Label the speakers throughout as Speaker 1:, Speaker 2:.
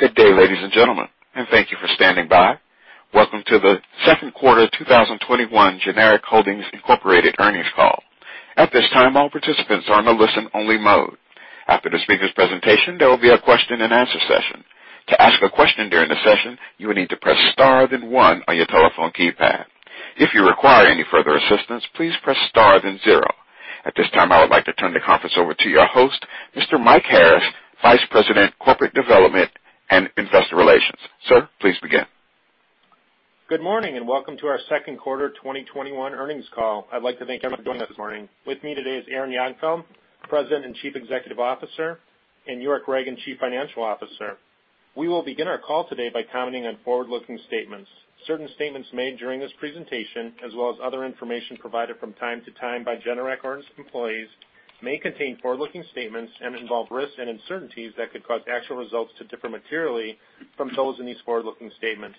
Speaker 1: Good day, ladies and gentlemen, and thank you for standing by. Welcome to the Second Quarter 2021 Generac Holdings Incorporated Earnings Call. At this time, all participants are in a listen-only mode. After the speaker's presentation, there will be a question and answer session. To ask a question during the session, you will need to press star then one on your telephone keypad. If you require any further assistance, please press star then zero. At this time, I would like to turn the conference over to your host, Mr. Mike Harris, Vice President, Corporate Development and Investor Relations. Sir, please begin.
Speaker 2: Good morning. Welcome to our second quarter 2021 earnings call. I'd like to thank everyone for joining this morning. With me today is Aaron Jagdfeld, President and Chief Executive Officer, and York Ragen, Chief Financial Officer. We will begin our call today by commenting on forward-looking statements. Certain statements made during this presentation, as well as other information provided from time to time by Generac and its employees, may contain forward-looking statements and involve risks and uncertainties that could cause actual results to differ materially from those in these forward-looking statements.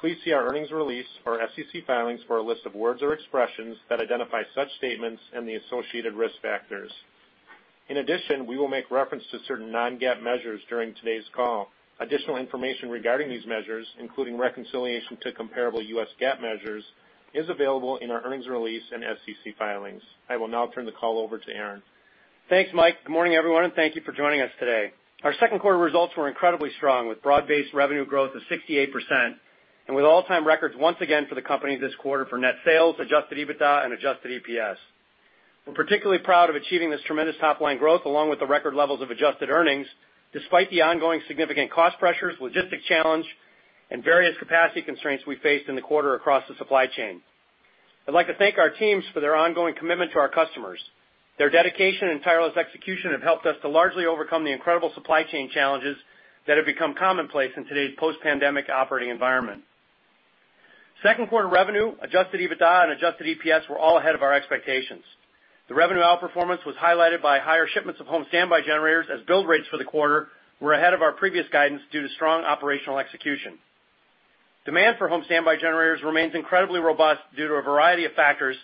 Speaker 2: Please see our earnings release or SEC filings for a list of words or expressions that identify such statements and the associated risk factors. In addition, we will make reference to certain non-GAAP measures during today's call. Additional information regarding these measures, including reconciliation to comparable U.S. GAAP measures, is available in our earnings release and SEC filings. I will now turn the call over to Aaron.
Speaker 3: Thanks, Mike. Good morning, everyone, and thank you for joining us today. Our second quarter results were incredibly strong, with broad-based revenue growth of 68%, and with all-time records once again for the company this quarter for net sales, adjusted EBITDA, and adjusted EPS. We're particularly proud of achieving this tremendous top-line growth, along with the record levels of adjusted earnings, despite the ongoing significant cost pressures, logistic challenge, and various capacity constraints we faced in the quarter across the supply chain. I'd like to thank our teams for their ongoing commitment to our customers. Their dedication and tireless execution have helped us to largely overcome the incredible supply chain challenges that have become commonplace in today's post-pandemic operating environment. Second quarter revenue, adjusted EBITDA, and adjusted EPS were all ahead of our expectations. The revenue outperformance was highlighted by higher shipments of home standby generators as build rates for the quarter were ahead of our previous guidance due to strong operational execution. Demand for home standby generators remains incredibly robust due to a variety of factors,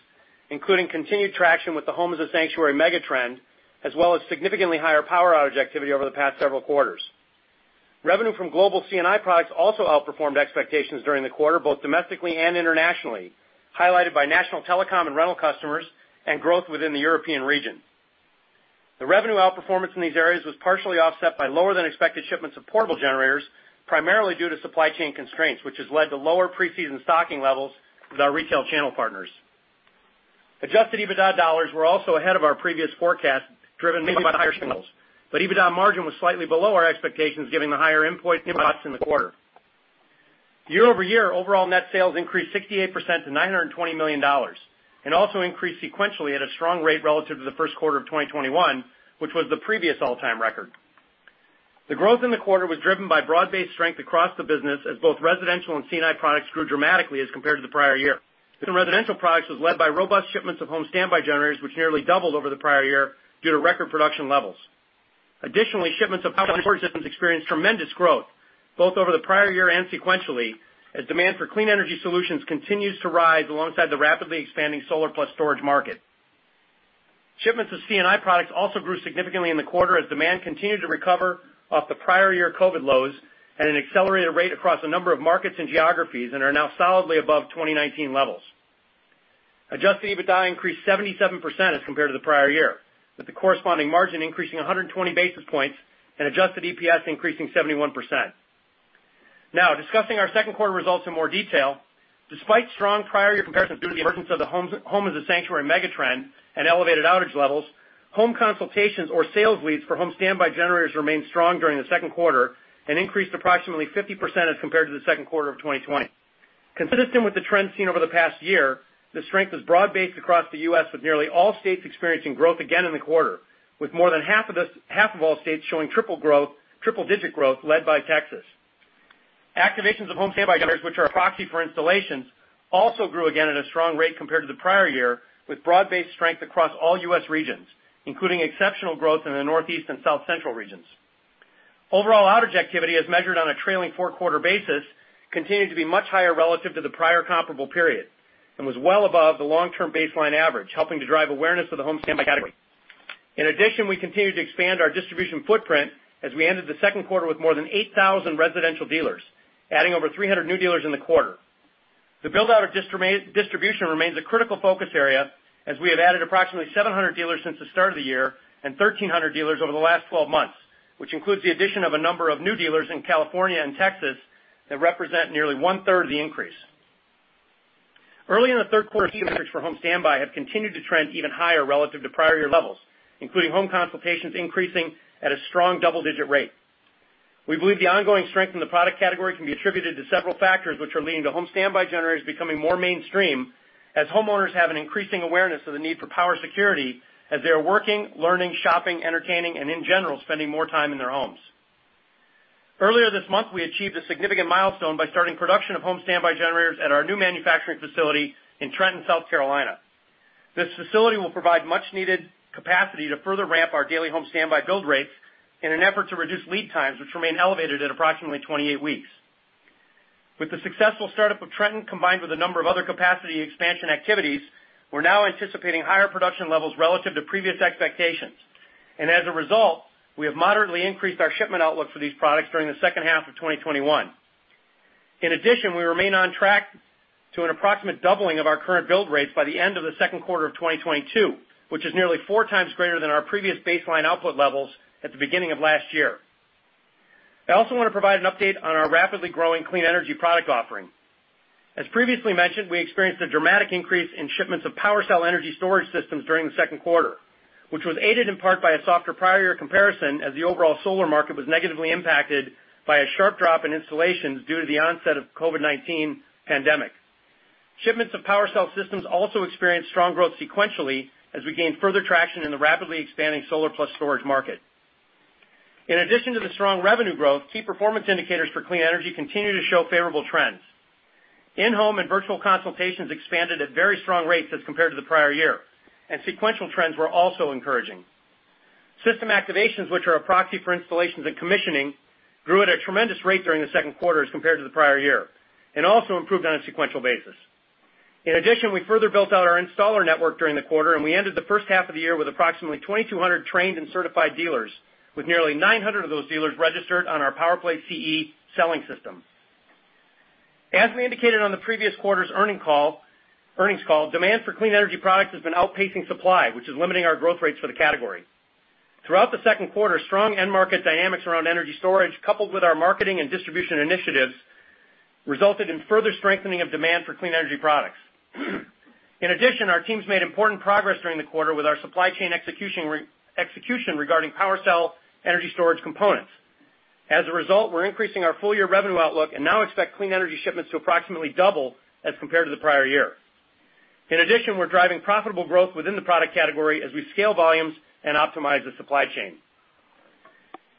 Speaker 3: including continued traction with the home as a sanctuary megatrend, as well as significantly higher power outage activity over the past several quarters. Revenue from global C&I products also outperformed expectations during the quarter, both domestically and internationally, highlighted by national telecom and rental customers and growth within the European region. The revenue outperformance in these areas was partially offset by lower than expected shipments of portable generators, primarily due to supply chain constraints, which has led to lower pre-season stocking levels with our retail channel partners. Adjusted EBITDA dollars were also ahead of our previous forecast, driven mainly by higher level, but EBITDA margin was slightly below our expectations, given the higher inputs in the quarter. Year-over-year, overall net sales increased 68% to $920 million and also increased sequentially at a strong rate relative to the first quarter of 2021, which was the previous all-time record. The growth in the quarter was driven by broad-based strength across the business as both residential and C&I products grew dramatically as compared to the prior year. The residential products was led by robust shipments of home standby generators, which nearly doubled over the prior year due to record production levels. Additionally, shipments of PWRcell systems experienced tremendous growth both over the prior year and sequentially as demand for clean energy solutions continues to rise alongside the rapidly expanding solar plus storage market. Shipments of C&I products also grew significantly in the quarter as demand continued to recover off the prior year COVID lows at an accelerated rate across a number of markets and geographies and are now solidly above 2019 levels. Adjusted EBITDA increased 77% as compared to the prior year, with the corresponding margin increasing 120 basis points and adjusted EPS increasing 71%. Now, discussing our second quarter results in more detail, despite strong prior year comparison due to the emergence of the home as a sanctuary megatrend and elevated outage levels, home consultations or sales leads for home standby generators remained strong during the second quarter and increased approximately 50% as compared to the second quarter of 2020. Consistent with the trend seen over the past year, the strength is broad-based across the U.S., with nearly all states experiencing growth again in the quarter, with more than half of all states showing triple-digit growth led by Texas. Activations of home standby generators, which are a proxy for installations, also grew again at a strong rate compared to the prior year, with broad-based strength across all U.S. regions, including exceptional growth in the Northeast and South Central regions. Overall outage activity, as measured on a trailing four-quarter basis, continued to be much higher relative to the prior comparable period and was well above the long-term baseline average, helping to drive awareness of the home standby category. In addition, we continued to expand our distribution footprint as we ended the second quarter with more than 8,000 residential dealers, adding over 300 new dealers in the quarter. \The build-out of distribution remains a critical focus area as we have added approximately 700 dealers since the start of the year and 1,300 dealers over the last 12 months, which includes the addition of a number of new dealers in California and Texas that represent nearly one-third of the increase. Early in the third quarter, key metrics for home standby have continued to trend even higher relative to prior year levels, including home consultations increasing at a strong double-digit rate. We believe the ongoing strength in the product category can be attributed to several factors which are leading to home standby generators becoming more mainstream as homeowners have an increasing awareness of the need for power security as they are working, learning, shopping, entertaining, and in general, spending more time in their homes. Earlier this month, we achieved a significant milestone by starting production of home standby generators at our new manufacturing facility in Trenton, South Carolina. This facility will provide much-needed capacity to further ramp our daily home standby build rates in an effort to reduce lead times, which remain elevated at approximately 28 weeks. With the successful startup of Trenton, combined with a number of other capacity expansion activities, we're now anticipating higher production levels relative to previous expectations. As a result, we have moderately increased our shipment outlook for these products during the second half of 2021. In addition, we remain on track to an approximate doubling of our current build rates by the end of the second quarter of 2022, which is nearly four times greater than our previous baseline output levels at the beginning of last year. I also want to provide an update on our rapidly growing clean energy product offering. As previously mentioned, we experienced a dramatic increase in shipments of PWRcell energy storage systems during the second quarter, which was aided in part by a softer prior year comparison as the overall solar market was negatively impacted by a sharp drop in installations due to the onset of COVID-19 pandemic. Shipments of PWRcell systems also experienced strong growth sequentially as we gained further traction in the rapidly expanding solar plus storage market. In addition to the strong revenue growth, key performance indicators for clean energy continue to show favorable trends. In-Home and virtual consultations expanded at very strong rates as compared to the prior year, and sequential trends were also encouraging. System activations, which are a proxy for installations and commissioning, grew at a tremendous rate during the second quarter as compared to the prior year, and also improved on a sequential basis. In addition, we further built out our installer network during the quarter, and we ended the first half of the year with approximately 2,200 trained and certified dealers, with nearly 900 of those dealers registered on our PowerPlay CE selling system. As we indicated on the previous quarter's earnings call, demand for clean energy products has been outpacing supply, which is limiting our growth rates for the category. Throughout the second quarter, strong end market dynamics around energy storage, coupled with our marketing and distribution initiatives, resulted in further strengthening of demand for clean energy products. In addition, our teams made important progress during the quarter with our supply chain execution regarding PWRcell energy storage components. As a result, we're increasing our full-year revenue outlook and now expect clean energy shipments to approximately double as compared to the prior year. In addition, we're driving profitable growth within the product category as we scale volumes and optimize the supply chain.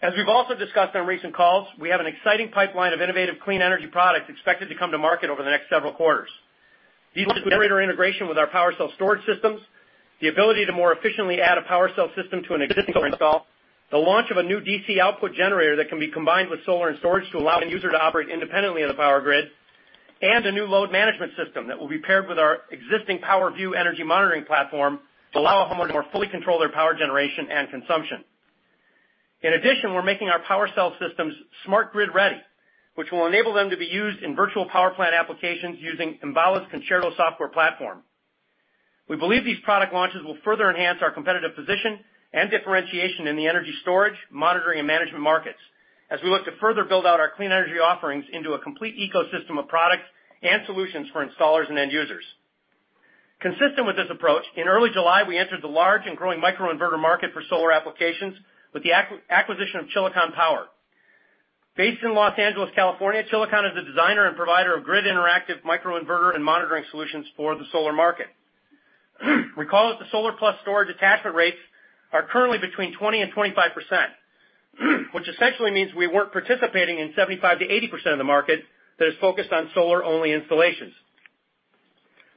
Speaker 3: As we've also discussed on recent calls, we have an exciting pipeline of innovative clean energy products expected to come to market over the next several quarters. These include generator integration with our PWRcell storage systems, the ability to more efficiently add a PWRcell system to an existing solar install, the launch of a new DC output generator that can be combined with solar and storage to allow the end user to operate independently of the power grid, and a new load management system that will be paired with our existing PWRview energy monitoring platform to allow a homeowner to more fully control their power generation and consumption. In addition, we're making our PWRcell systems smart grid-ready, which will enable them to be used in virtual power plant applications using Enbala's Concerto software platform. We believe these product launches will further enhance our competitive position and differentiation in the energy storage, monitoring, and management markets as we look to further build out our clean energy offerings into a complete ecosystem of products and solutions for installers and end users. Consistent with this approach, in early July, we entered the large and growing microinverter market for solar applications with the acquisition of Chilicon Power. Based in Los Angeles, California, Chilicon is a designer and provider of grid-interactive microinverter and monitoring solutions for the solar market. Recall that the solar plus storage attachment rates are currently between 20% and 25%, which essentially means we weren't participating in 75% to 80% of the market that is focused on solar-only installations.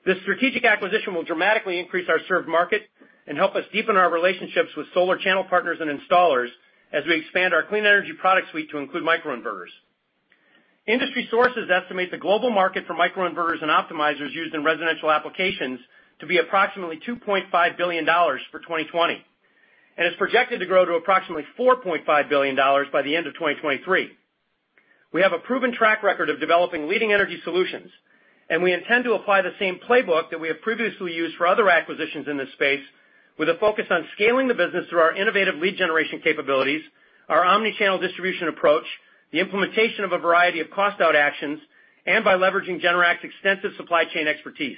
Speaker 3: This strategic acquisition will dramatically increase our served market and help us deepen our relationships with solar channel partners and installers as we expand our clean energy product suite to include microinverters. Industry sources estimate the global market for microinverters and optimizers used in residential applications to be approximately $2.5 billion for 2020 and is projected to grow to approximately $4.5 billion by the end of 2023. We have a proven track record of developing leading energy solutions, and we intend to apply the same playbook that we have previously used for other acquisitions in this space with a focus on scaling the business through our innovative lead generation capabilities, our omni-channel distribution approach, the implementation of a variety of cost-out actions, and by leveraging Generac's extensive supply chain expertise.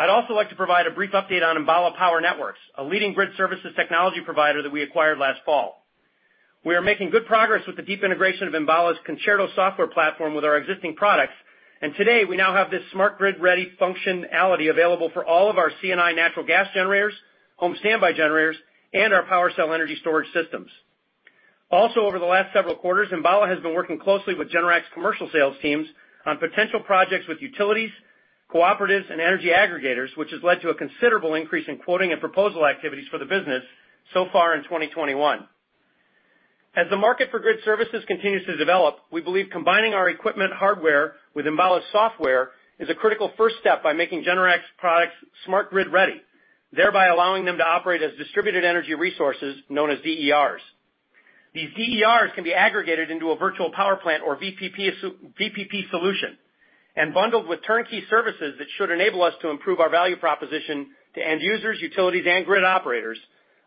Speaker 3: I'd also like to provide a brief update on Enbala Power Networks, a leading grid services technology provider that we acquired last fall. We are making good progress with the deep integration of Enbala's Concerto software platform with our existing products. Today, we now have this smart grid-ready functionality available for all of our C&I natural gas generators, home standby generators, and our PWRcell energy storage systems. Also, over the last several quarters, Enbala has been working closely with Generac's commercial sales teams on potential projects with utilities, cooperatives, and energy aggregators, which has led to a considerable increase in quoting and proposal activities for the business so far in 2021. As the market for grid services continues to develop, we believe combining our equipment hardware with Enbala's software is a critical first step by making Generac's products smart grid-ready, thereby allowing them to operate as distributed energy resources known as DERs. These DERs can be aggregated into a virtual power plant or VPP solution and bundled with turnkey services that should enable us to improve our value proposition to end users, utilities, and grid operators,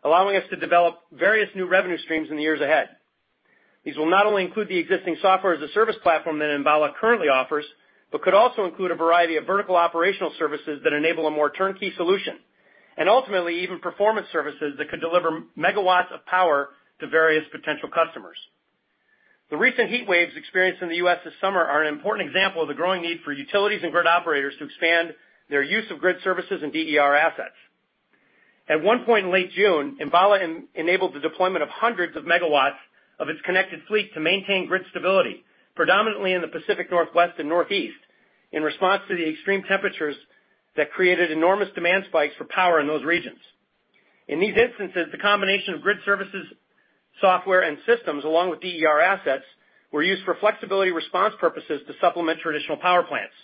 Speaker 3: allowing us to develop various new revenue streams in the years ahead. These will not only include the existing software-as-a-service platform that Enbala currently offers, but could also include a variety of vertical operational services that enable a more turnkey solution, and ultimately even performance services that could deliver megawatts of power to various potential customers. The recent heat waves experienced in the U.S. this summer are an important example of the growing need for utilities and grid operators to expand their use of grid services and DER assets. At one point in late June, Enbala enabled the deployment of hundreds of MW of its connected fleet to maintain grid stability, predominantly in the Pacific Northwest and Northeast, in response to the extreme temperatures that created enormous demand spikes for power in those regions. In these instances, the combination of grid services, software, and systems along with DER assets were used for flexibility response purposes to supplement traditional power plants.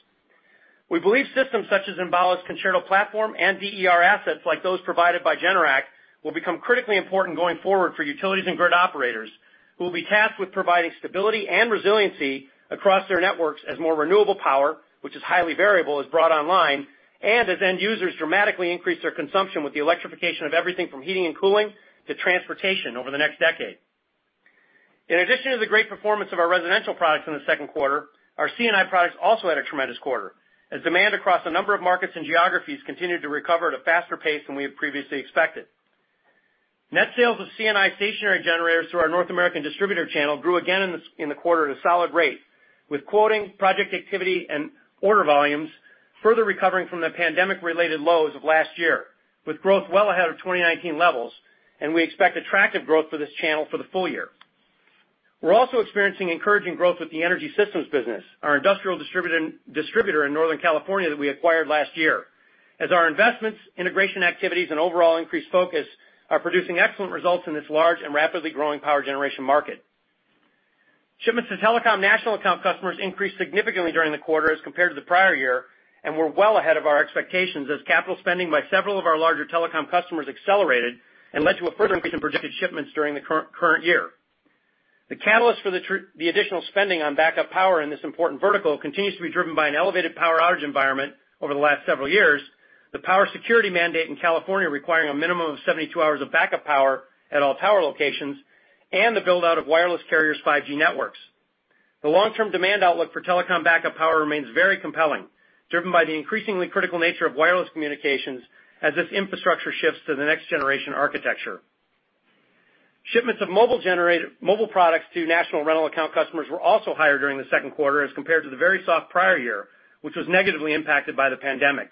Speaker 3: We believe systems such as Enbala's Concerto platform and DER assets like those provided by Generac will become critically important going forward for utilities and grid operators who will be tasked with providing stability and resiliency across their networks as more renewable power, which is highly variable, is brought online, and as end users dramatically increase their consumption with the electrification of everything from heating and cooling to transportation over the next decade. In addition to the great performance of our residential products in the second quarter, our C&I products also had a tremendous quarter, as demand across a number of markets and geographies continued to recover at a faster pace than we had previously expected. Net sales of C&I stationary generators through our North American distributor channel grew again in the quarter at a solid rate, with quoting, project activity, and order volumes further recovering from the pandemic-related lows of last year, with growth well ahead of 2019 levels. We expect attractive growth for this channel for the full year. We're also experiencing encouraging growth with the Energy Systems business, our industrial distributor in Northern California that we acquired last year. As our investments, integration activities, and overall increased focus are producing excellent results in this large and rapidly growing power generation market. Shipments to telecom national account customers increased significantly during the quarter as compared to the prior year and were well ahead of our expectations as capital spending by several of our larger telecom customers accelerated and led to a further increase in predicted shipments during the current year. The catalyst for the additional spending on backup power in this important vertical continues to be driven by an elevated power outage environment over the last several years, the power security mandate in California requiring a minimum of 72 hours of backup power at all tower locations, and the build-out of wireless carriers' 5G networks. The long-term demand outlook for telecom backup power remains very compelling, driven by the increasingly critical nature of wireless communications as this infrastructure shifts to the next-generation architecture. Shipments of mobile products to national rental account customers were also higher during the second quarter as compared to the very soft prior year, which was negatively impacted by the pandemic.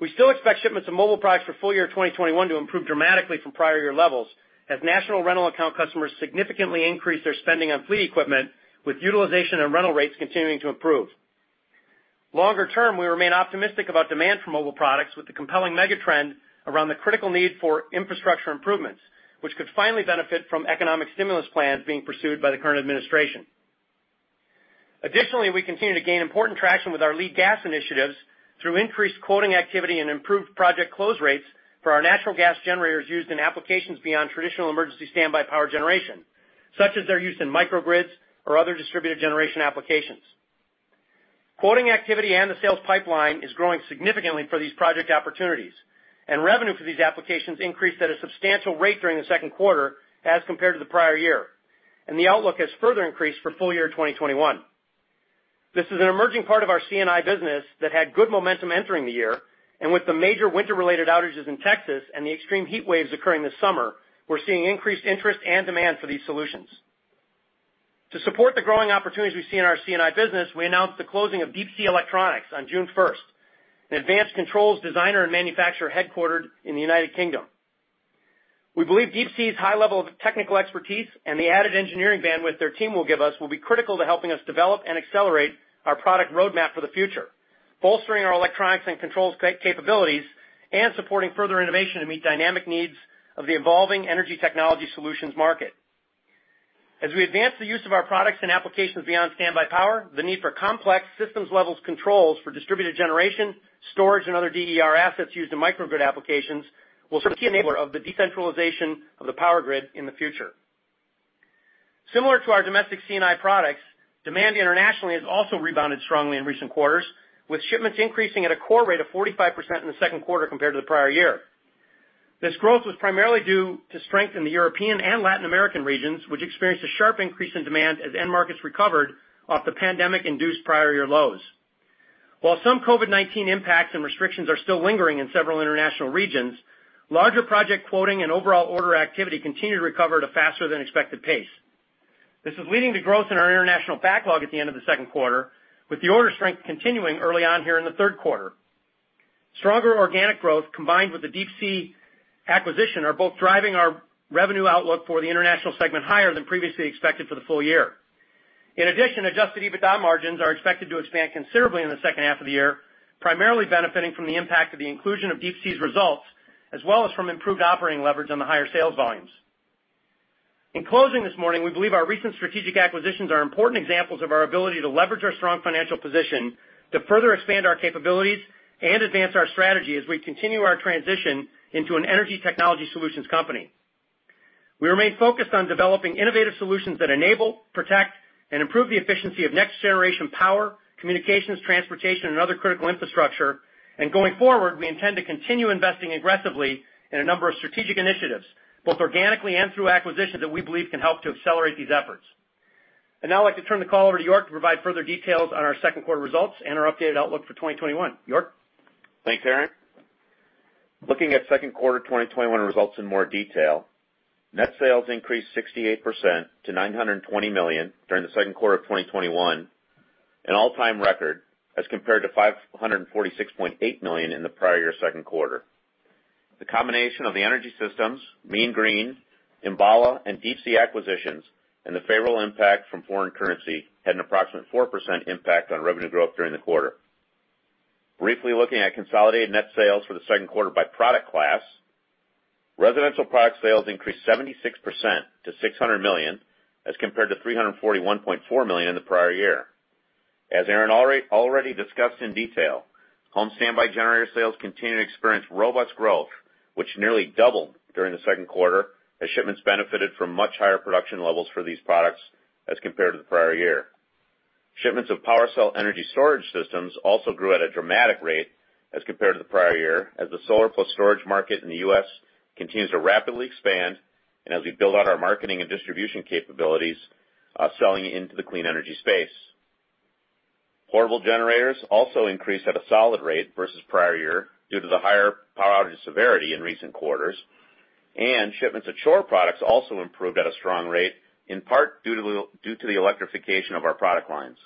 Speaker 3: We still expect shipments of mobile products for full year 2021 to improve dramatically from prior year levels as national rental account customers significantly increase their spending on fleet equipment, with utilization and rental rates continuing to improve. Longer term, we remain optimistic about demand for mobile products with the compelling mega trend around the critical need for infrastructure improvements, which could finally benefit from economic stimulus plans being pursued by the current administration. Additionally, we continue to gain important traction with our lead gas initiatives through increased quoting activity and improved project close rates for our natural gas generators used in applications beyond traditional emergency standby power generation, such as their use in microgrids or other distributed generation applications. Quoting activity and the sales pipeline is growing significantly for these project opportunities. Revenue for these applications increased at a substantial rate during the second quarter as compared to the prior year. The outlook has further increased for full year 2021. This is an emerging part of our C&I business that had good momentum entering the year. With the major winter-related outages in Texas and the extreme heat waves occurring this summer, we're seeing increased interest and demand for these solutions. To support the growing opportunities we see in our C&I business, we announced the closing of Deep Sea Electronics on June 1st, an advanced controls designer and manufacturer headquartered in the United Kingdom. We believe Deep Sea's high level of technical expertise and the added engineering bandwidth their team will give us will be critical to helping us develop and accelerate our product roadmap for the future, bolstering our electronics and controls capabilities and supporting further innovation to meet dynamic needs of the evolving energy technology solutions market. As we advance the use of our products and applications beyond standby power, the need for complex systems-level controls for distributed generation, storage, and other DER assets used in microgrid applications will be a key enabler of the decentralization of the power grid in the future. Similar to our domestic C&I products, demand internationally has also rebounded strongly in recent quarters, with shipments increasing at a core rate of 45% in the second quarter compared to the prior year. This growth was primarily due to strength in the European and Latin American regions, which experienced a sharp increase in demand as end markets recovered off the pandemic-induced prior year lows. While some COVID-19 impacts and restrictions are still lingering in several international regions, larger project quoting and overall order activity continue to recover at a faster-than-expected pace. This is leading to growth in our international backlog at the end of the second quarter, with the order strength continuing early on here in the third quarter. Stronger organic growth combined with the Deep Sea acquisition are both driving our revenue outlook for the international segment higher than previously expected for the full year. In addition, adjusted EBITDA margins are expected to expand considerably in the second half of the year, primarily benefiting from the impact of the inclusion of Deep Sea’s results, as well as from improved operating leverage on the higher sales volumes. In closing this morning, we believe our recent strategic acquisitions are important examples of our ability to leverage our strong financial position to further expand our capabilities and advance our strategy as we continue our transition into an energy technology solutions company. We remain focused on developing innovative solutions that enable, protect, and improve the efficiency of next-generation power, communications, transportation, and other critical infrastructure. Going forward, we intend to continue investing aggressively in a number of strategic initiatives, both organically and through acquisitions, that we believe can help to accelerate these efforts. I'd now like to turn the call over to York to provide further details on our second quarter results and our updated outlook for 2021. York?
Speaker 4: Thanks, Aaron. Looking at second quarter 2021 results in more detail, net sales increased 68% to $920 million during the second quarter of 2021, an all-time record, as compared to $546.8 million in the prior year second quarter. The combination of the Energy Systems, Mean Green, Enbala, and Deep Sea acquisitions and the favorable impact from foreign currency had an approximate 4% impact on revenue growth during the quarter. Briefly looking at consolidated net sales for the second quarter by product class. Residential product sales increased 76% to $600 million, as compared to $341.4 million in the prior year. As Aaron already discussed in detail, home standby generator sales continue to experience robust growth, which nearly doubled during the second quarter as shipments benefited from much higher production levels for these products as compared to the prior year. Shipments of PWRcell energy storage systems also grew at a dramatic rate as compared to the prior year, as the solar plus storage market in the U.S. continues to rapidly expand and as we build out our marketing and distribution capabilities, selling into the clean energy space. Portable generators also increased at a solid rate versus prior year due to the higher power outage severity in recent quarters, and shipments of Chore products also improved at a strong rate, in part due to the electrification of our product lines.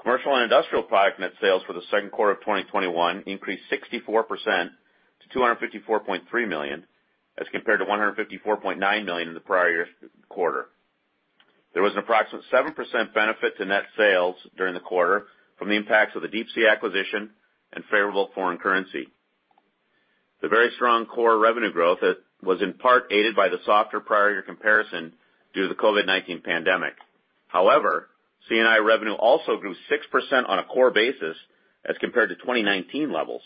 Speaker 4: Commercial and industrial product net sales for the second quarter of 2021 increased 64% to $254.3 million, as compared to $154.9 million in the prior year quarter. There was an approximate 7% benefit to net sales during the quarter from the impacts of the Deep Sea acquisition and favorable foreign currency. The very strong core revenue growth was in part aided by the softer prior year comparison due to the COVID-19 pandemic. However, C&I revenue also grew 6% on a core basis as compared to 2019 levels.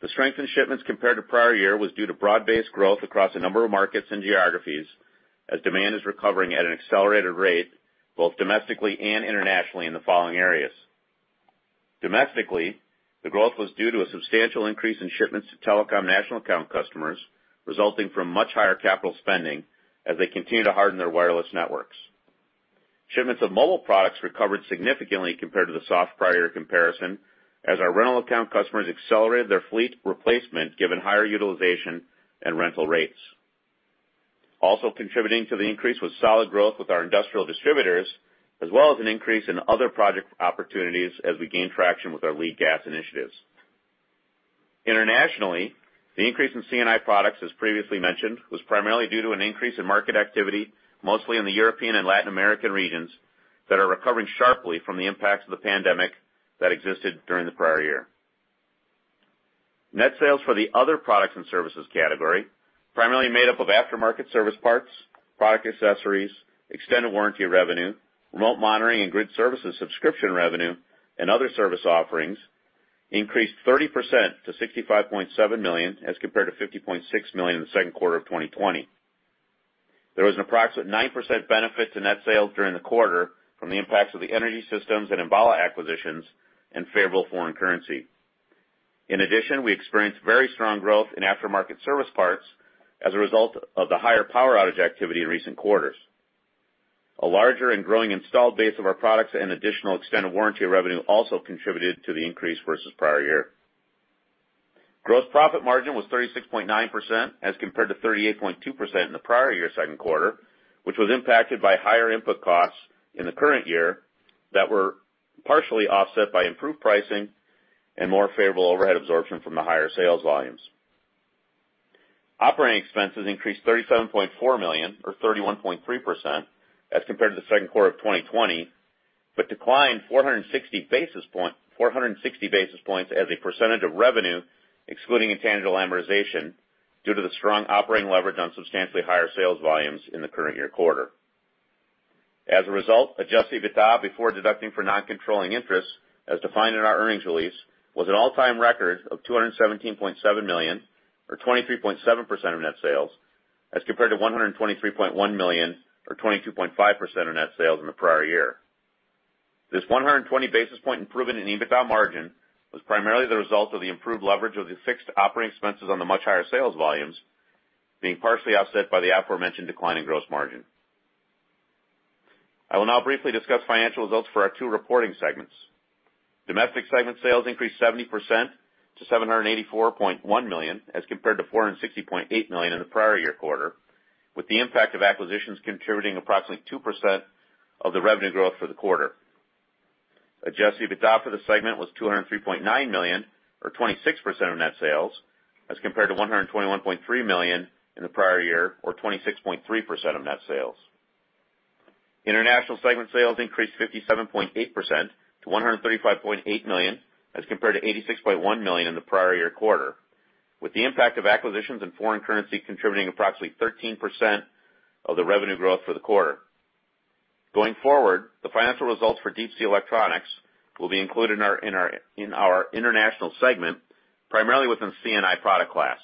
Speaker 4: The strength in shipments compared to prior year was due to broad-based growth across a number of markets and geographies as demand is recovering at an accelerated rate, both domestically and internationally in the following areas. Domestically, the growth was due to a substantial increase in shipments to telecom national account customers, resulting from much higher capital spending as they continue to harden their wireless networks. Shipments of mobile products recovered significantly compared to the soft prior year comparison, as our rental account customers accelerated their fleet replacement given higher utilization and rental rates. Also contributing to the increase was solid growth with our industrial distributors, as well as an increase in other project opportunities as we gain traction with our lead gas initiatives. Internationally, the increase in C&I products, as previously mentioned, was primarily due to an increase in market activity, mostly in the European and Latin American regions that are recovering sharply from the impacts of the pandemic that existed during the prior year. Net sales for the other products and services category, primarily made up of aftermarket service parts, product accessories, extended warranty revenue, remote monitoring and grid services subscription revenue, and other service offerings, increased 30% to $65.7 million as compared to $50.6 million in the second quarter of 2020. There was an approximate 9% benefit to net sales during the quarter from the impacts of the Energy Systems and Enbala acquisitions and favorable foreign currency. In addition, we experienced very strong growth in aftermarket service parts as a result of the higher power outage activity in recent quarters. A larger and growing installed base of our products and additional extended warranty revenue also contributed to the increase versus prior year. Gross profit margin was 36.9% as compared to 38.2% in the prior year second quarter, which was impacted by higher input costs in the current year that were partially offset by improved pricing and more favorable overhead absorption from the higher sales volumes. Operating expenses increased $37.4 million or 31.3% as compared to the second quarter of 2020, but declined 460 basis points as a percentage of revenue excluding intangible amortization due to the strong operating leverage on substantially higher sales volumes in the current year quarter. Adjusted EBITDA before deducting for non-controlling interests as defined in our earnings release, was an all-time record of $217.7 million or 23.7% of net sales as compared to $123.1 million or 22.5% of net sales in the prior year. This 120 basis point improvement in EBITDA margin was primarily the result of the improved leverage of the fixed operating expenses on the much higher sales volumes being partially offset by the aforementioned decline in gross margin. I will now briefly discuss financial results for our two reporting segments. Domestic segment sales increased 70% to $784.1 million as compared to $460.8 million in the prior year quarter, with the impact of acquisitions contributing approximately 2% of the revenue growth for the quarter. Adjusted EBITDA for the segment was $203.9 million or 26% of net sales as compared to $121.3 million in the prior year or 26.3% of net sales. International segment sales increased 57.8% to $135.8 million as compared to $86.1 million in the prior year quarter, with the impact of acquisitions and foreign currency contributing approximately 13% of the revenue growth for the quarter. Going forward, the financial results for Deep Sea Electronics will be included in our international segment, primarily within C&I product class.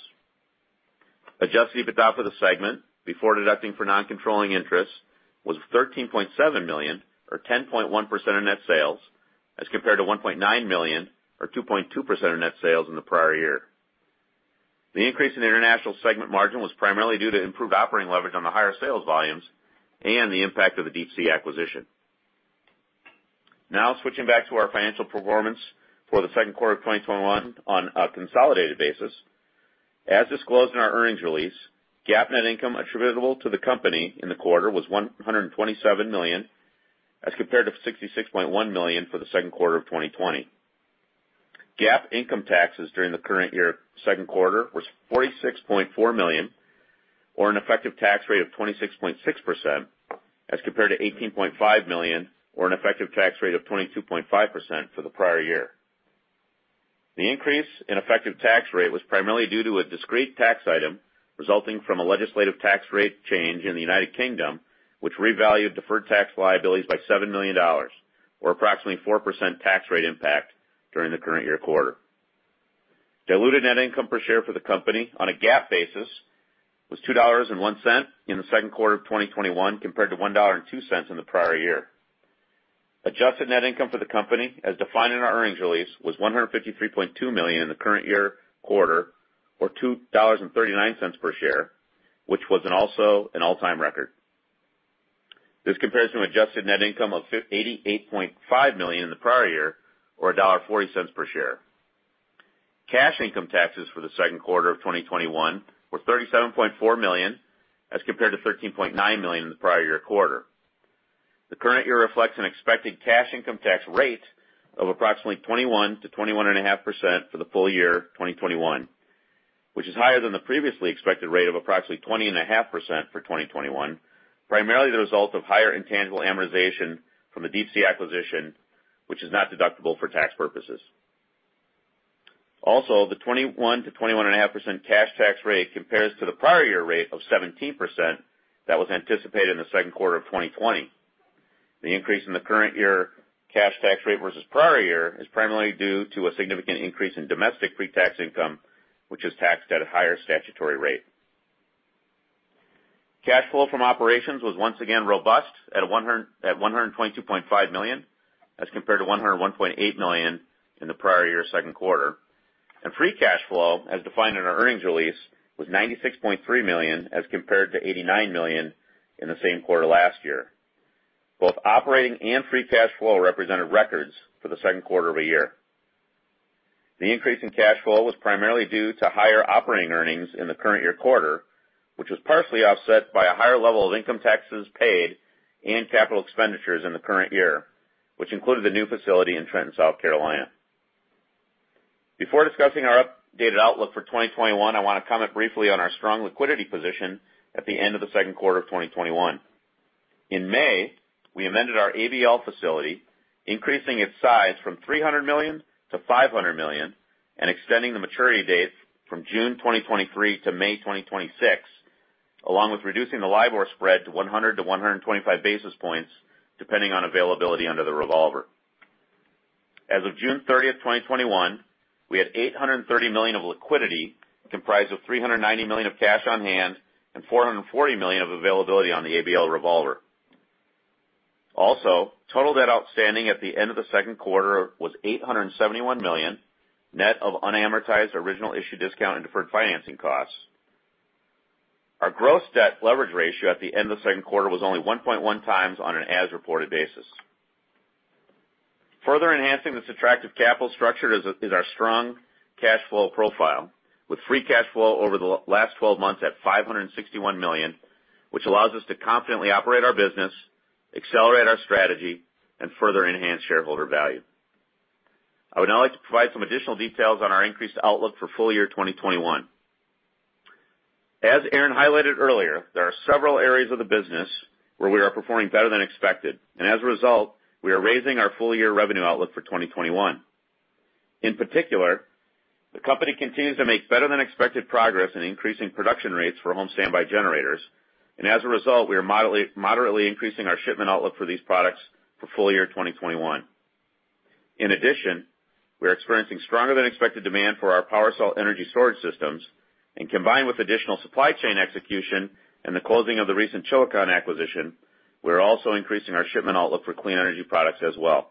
Speaker 4: Adjusted EBITDA for the segment before deducting for non-controlling interests was $13.7 million or 10.1% of net sales as compared to $1.9 million or 2.2% of net sales in the prior year. The increase in international segment margin was primarily due to improved operating leverage on the higher sales volumes and the impact of the Deep Sea acquisition. Switching back to our financial performance for the second quarter of 2021 on a consolidated basis. As disclosed in our earnings release, GAAP net income attributable to the company in the quarter was $127 million as compared to $66.1 million for the second quarter of 2020. GAAP income taxes during the current year second quarter was $46.4 million, or an effective tax rate of 26.6%, as compared to $18.5 million, or an effective tax rate of 22.5% for the prior year. The increase in effective tax rate was primarily due to a discrete tax item resulting from a legislative tax rate change in the United Kingdom, which revalued deferred tax liabilities by $7 million, or approximately 4% tax rate impact during the current year quarter. Diluted net income per share for the company on a GAAP basis was $2.01 in the second quarter of 2021, compared to $1.02 in the prior year. Adjusted net income for the company, as defined in our earnings release, was $153.2 million in the current year quarter, or $2.39 per share, which was also an all-time record. This compares to adjusted net income of $88.5 million in the prior year, or $1.40 per share. Cash income taxes for the second quarter of 2021 were $37.4 million, as compared to $13.9 million in the prior year quarter. The current year reflects an expected cash income tax rate of approximately 21%-21.5% for the full year 2021, which is higher than the previously expected rate of approximately 20.5% for 2021, primarily the result of higher intangible amortization from the Deep Sea acquisition, which is not deductible for tax purposes. The 21%-21.5% cash tax rate compares to the prior year rate of 17% that was anticipated in the second quarter of 2020. The increase in the current year cash tax rate versus prior year is primarily due to a significant increase in domestic pre-tax income, which is taxed at a higher statutory rate. Cash flow from operations was once again robust at $122.5 million, as compared to $101.8 million in the prior year second quarter. Free cash flow, as defined in our earnings release, was $96.3 million, as compared to $89 million in the same quarter last year. Both operating and free cash flow represented records for the second quarter of a year. The increase in cash flow was primarily due to higher operating earnings in the current year quarter, which was partially offset by a higher level of income taxes paid and capital expenditures in the current year, which included the new facility in Trenton, South Carolina. Before discussing our updated outlook for 2021, I want to comment briefly on our strong liquidity position at the end of the second quarter of 2021. In May, we amended our ABL facility, increasing its size from $300 million, to $500 million, and extending the maturity dates from June 2023 to May 2026, along with reducing the LIBOR spread to 100-125 basis points, depending on availability under the revolver. As of June 30th, 2021, we had $830 million of liquidity, comprised of $390 million of cash on hand and $440 million of availability on the ABL revolver. Total debt outstanding at the end of the second quarter was $871 million, net of unamortized original issue discount and deferred financing costs. Our gross debt leverage ratio at the end of the second quarter was only 1.1x on an as-reported basis. Further enhancing this attractive capital structure is our strong cash flow profile, with free cash flow over the last 12 months at $561 million, which allows us to confidently operate our business, accelerate our strategy, and further enhance shareholder value. I would now like to provide some additional details on our increased outlook for full year 2021. As Aaron highlighted earlier, there are several areas of the business where we are performing better than expected, and as a result, we are raising our full year revenue outlook for 2021. In particular, the company continues to make better than expected progress in increasing production rates for home standby generators, and as a result, we are moderately increasing our shipment outlook for these products for full year 2021. In addition, we are experiencing stronger than expected demand for our PWRcell energy storage systems, and combined with additional supply chain execution and the closing of the recent Chilicon acquisition, we are also increasing our shipment outlook for clean energy products as well.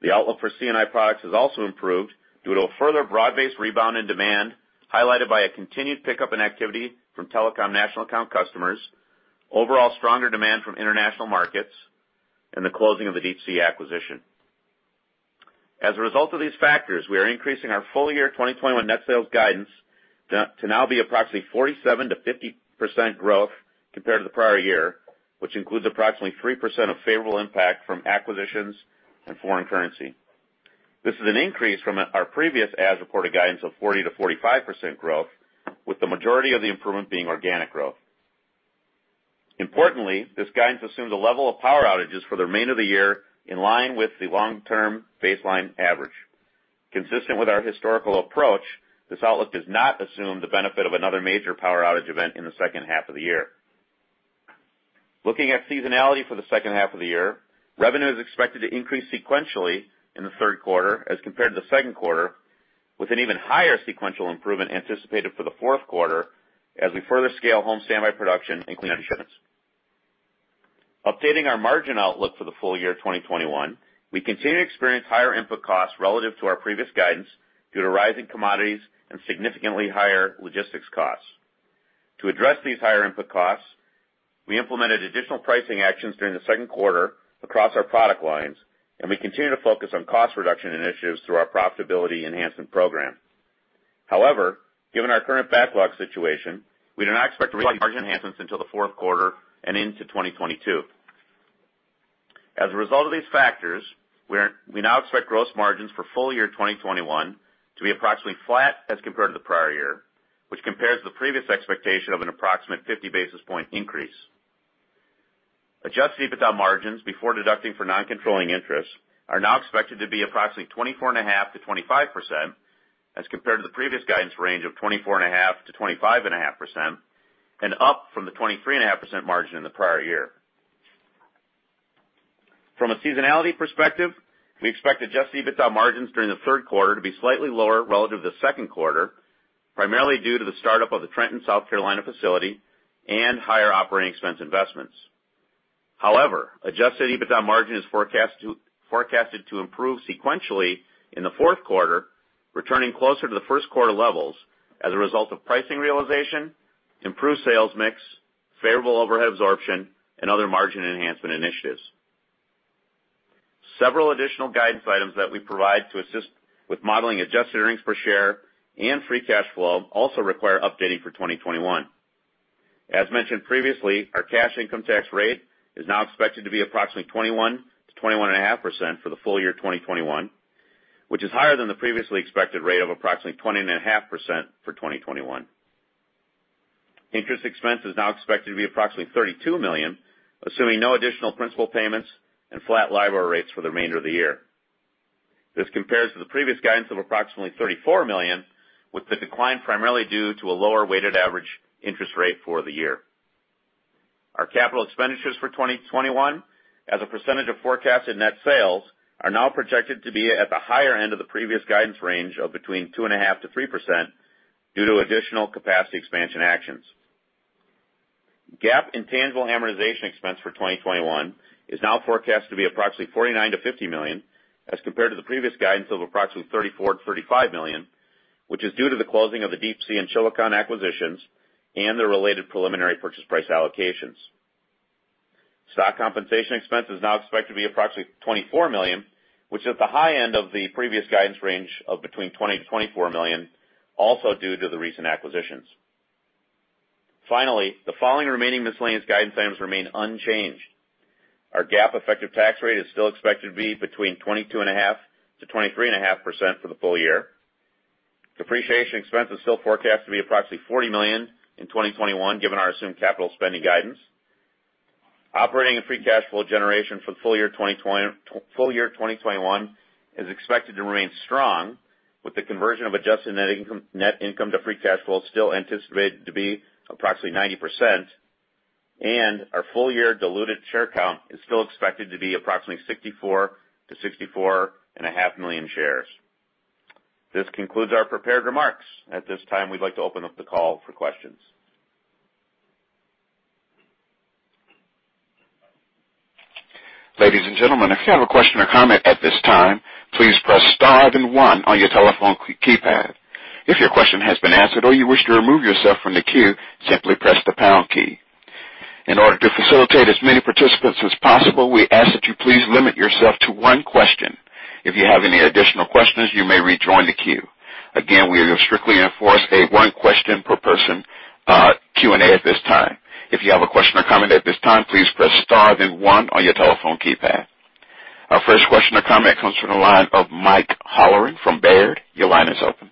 Speaker 4: The outlook for C&I products has also improved due to a further broad-based rebound in demand, highlighted by a continued pickup in activity from telecom national account customers, overall stronger demand from international markets, and the closing of the Deep Sea acquisition. As a result of these factors, we are increasing our full year 2021 net sales guidance to now be approximately 47%-50% growth compared to the prior year, which includes approximately 3% of favorable impact from acquisitions and foreign currency. This is an increase from our previous as-reported guidance of 40%-45% growth, with the majority of the improvement being organic growth. Importantly, this guidance assumes a level of power outages for the remainder of the year in line with the long-term baseline average. Consistent with our historical approach, this outlook does not assume the benefit of another major power outage event in the second half of the year. Looking at seasonality for the second half of the year, revenue is expected to increase sequentially in the third quarter as compared to the second quarter, with an even higher sequential improvement anticipated for the fourth quarter as we further scale home standby production and clean energy solutions. Updating our margin outlook for the full year 2021, we continue to experience higher input costs relative to our previous guidance due to rising commodities and significantly higher logistics costs. To address these higher input costs, we implemented additional pricing actions during the second quarter across our product lines, and we continue to focus on cost reduction initiatives through our Profitability Enhancement Program. However, given our current backlog situation, we do not expect to realize margin enhancements until the fourth quarter and into 2022. As a result of these factors, we now expect gross margins for full year 2021 to be approximately flat as compared to the prior year, which compares to the previous expectation of an approximate 50 basis point increase. Adjusted EBITDA margins before deducting for non-controlling interests are now expected to be approximately 24.5%-25%, as compared to the previous guidance range of 24.5%-25.5%, and up from the 23.5% margin in the prior year. From a seasonality perspective, we expect adjusted EBITDA margins during the third quarter to be slightly lower relative to the second quarter, primarily due to the start-up of the Trenton, South Carolina facility and higher operating expense investments. However, adjusted EBITDA margin is forecasted to improve sequentially in the fourth quarter, returning closer to the first quarter levels as a result of pricing realization, improved sales mix, favorable overhead absorption, and other margin enhancement initiatives. Several additional guidance items that we provide to assist with modeling adjusted earnings per share and free cash flow also require updating for 2021. As mentioned previously, our cash income tax rate is now expected to be approximately 21%-21.5% for the full year 2021, which is higher than the previously expected rate of approximately 20.5% for 2021. Interest expense is now expected to be approximately $32 million, assuming no additional principal payments and flat LIBOR rates for the remainder of the year. This compares to the previous guidance of approximately $34 million, with the decline primarily due to a lower weighted average interest rate for the year. Our capital expenditures for 2021, as a percentage of forecasted net sales, are now projected to be at the higher end of the previous guidance range of between 2.5%-3% due to additional capacity expansion actions. GAAP intangible amortization expense for 2021 is now forecasted to be approximately $49 million-$50 million, as compared to the previous guidance of approximately $34 million-$35 million, which is due to the closing of the Deep Sea and Chilicon acquisitions and their related preliminary purchase price allocations. Stock compensation expense is now expected to be approximately $24 million, which is at the high end of the previous guidance range of between $20 million-$24 million, also due to the recent acquisitions. The following remaining miscellaneous guidance items remain unchanged. Our GAAP effective tax rate is still expected to be between 22.5%-23.5% for the full year. Depreciation expense is still forecasted to be approximately $40 million in 2021, given our assumed capital spending guidance. Operating and free cash flow generation for the full year 2021 is expected to remain strong, with the conversion of Adjusted Net Income to free cash flow still anticipated to be approximately 90%, and our full-year diluted share count is still expected to be approximately 64 million-64.5 million shares. This concludes our prepared remarks. At this time, we'd like to open up the call for questions.
Speaker 1: Ladies and gentlemen, if you have a question or comment at this time, please press star then 1 on your telephone keypad. If your question has been answered or you wish to remove yourself from the queue, simply press the pound key. In order to facilitate as many participants as possible, we ask that you please limit yourself to one question. If you have any additional questions, you may rejoin the queue. Again, we will strictly enforce a one-question per person Q&A at this time. If you have a question or comment at this time, please press star then one on your telephone keypad. Our first question or comment comes from the line of Mike Halloran from Baird. Your line is open.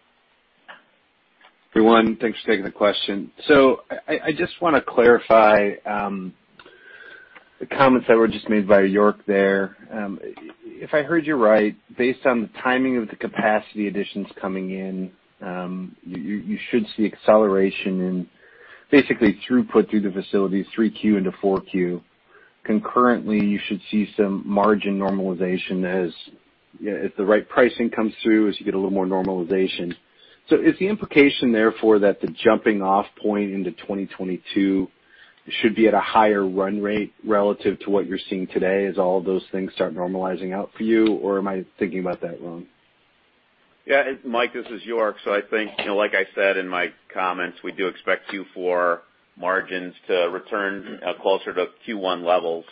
Speaker 5: Everyone, thanks for taking the question. I just want to clarify the comments that were just made by York there- if I heard you right, based on the timing of the capacity additions coming in, you should see acceleration in basically throughput through the facilities 3Q into 4Q. Concurrently, you should see some margin normalization as if the right pricing comes through, as you get a little more normalization. Is the implication therefore that the jumping off point into 2022 should be at a higher run rate relative to what you're seeing today as all of those things start normalizing out for you? Am I thinking about that wrong?
Speaker 4: Yeah its-Mike, this is York. I think, like I said in my comments, we do expect Q4 margins to return closer to Q1 levels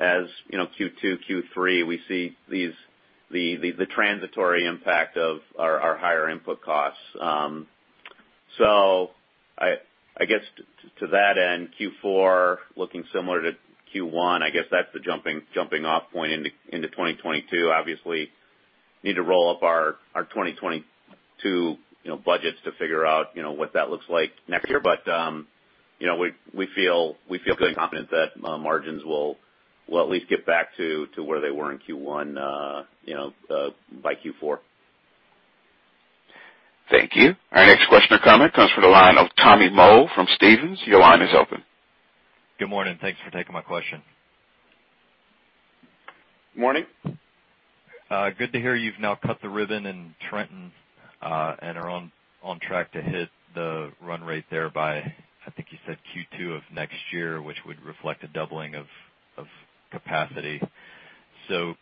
Speaker 4: as Q2, Q3, we see the transitory impact of our higher input costs. I guess to that end, Q4 looking similar to Q1, I guess that's the jumping off point into 2022. Obviously, need to roll up our 2022 budgets to figure out what that looks like next year. We feel pretty confident that margins will at least get back to where they were in Q1 by Q4.
Speaker 1: Thank you. Our next question or comment comes from the line of Tommy Moll from Stephens.
Speaker 6: Good morning. Thanks for taking my question.
Speaker 3: Morning.
Speaker 6: Good to hear you've now cut the ribbon in Trenton, and are on track to hit the run rate there by, I think you said Q2 of next year, which would reflect a doubling of capacity.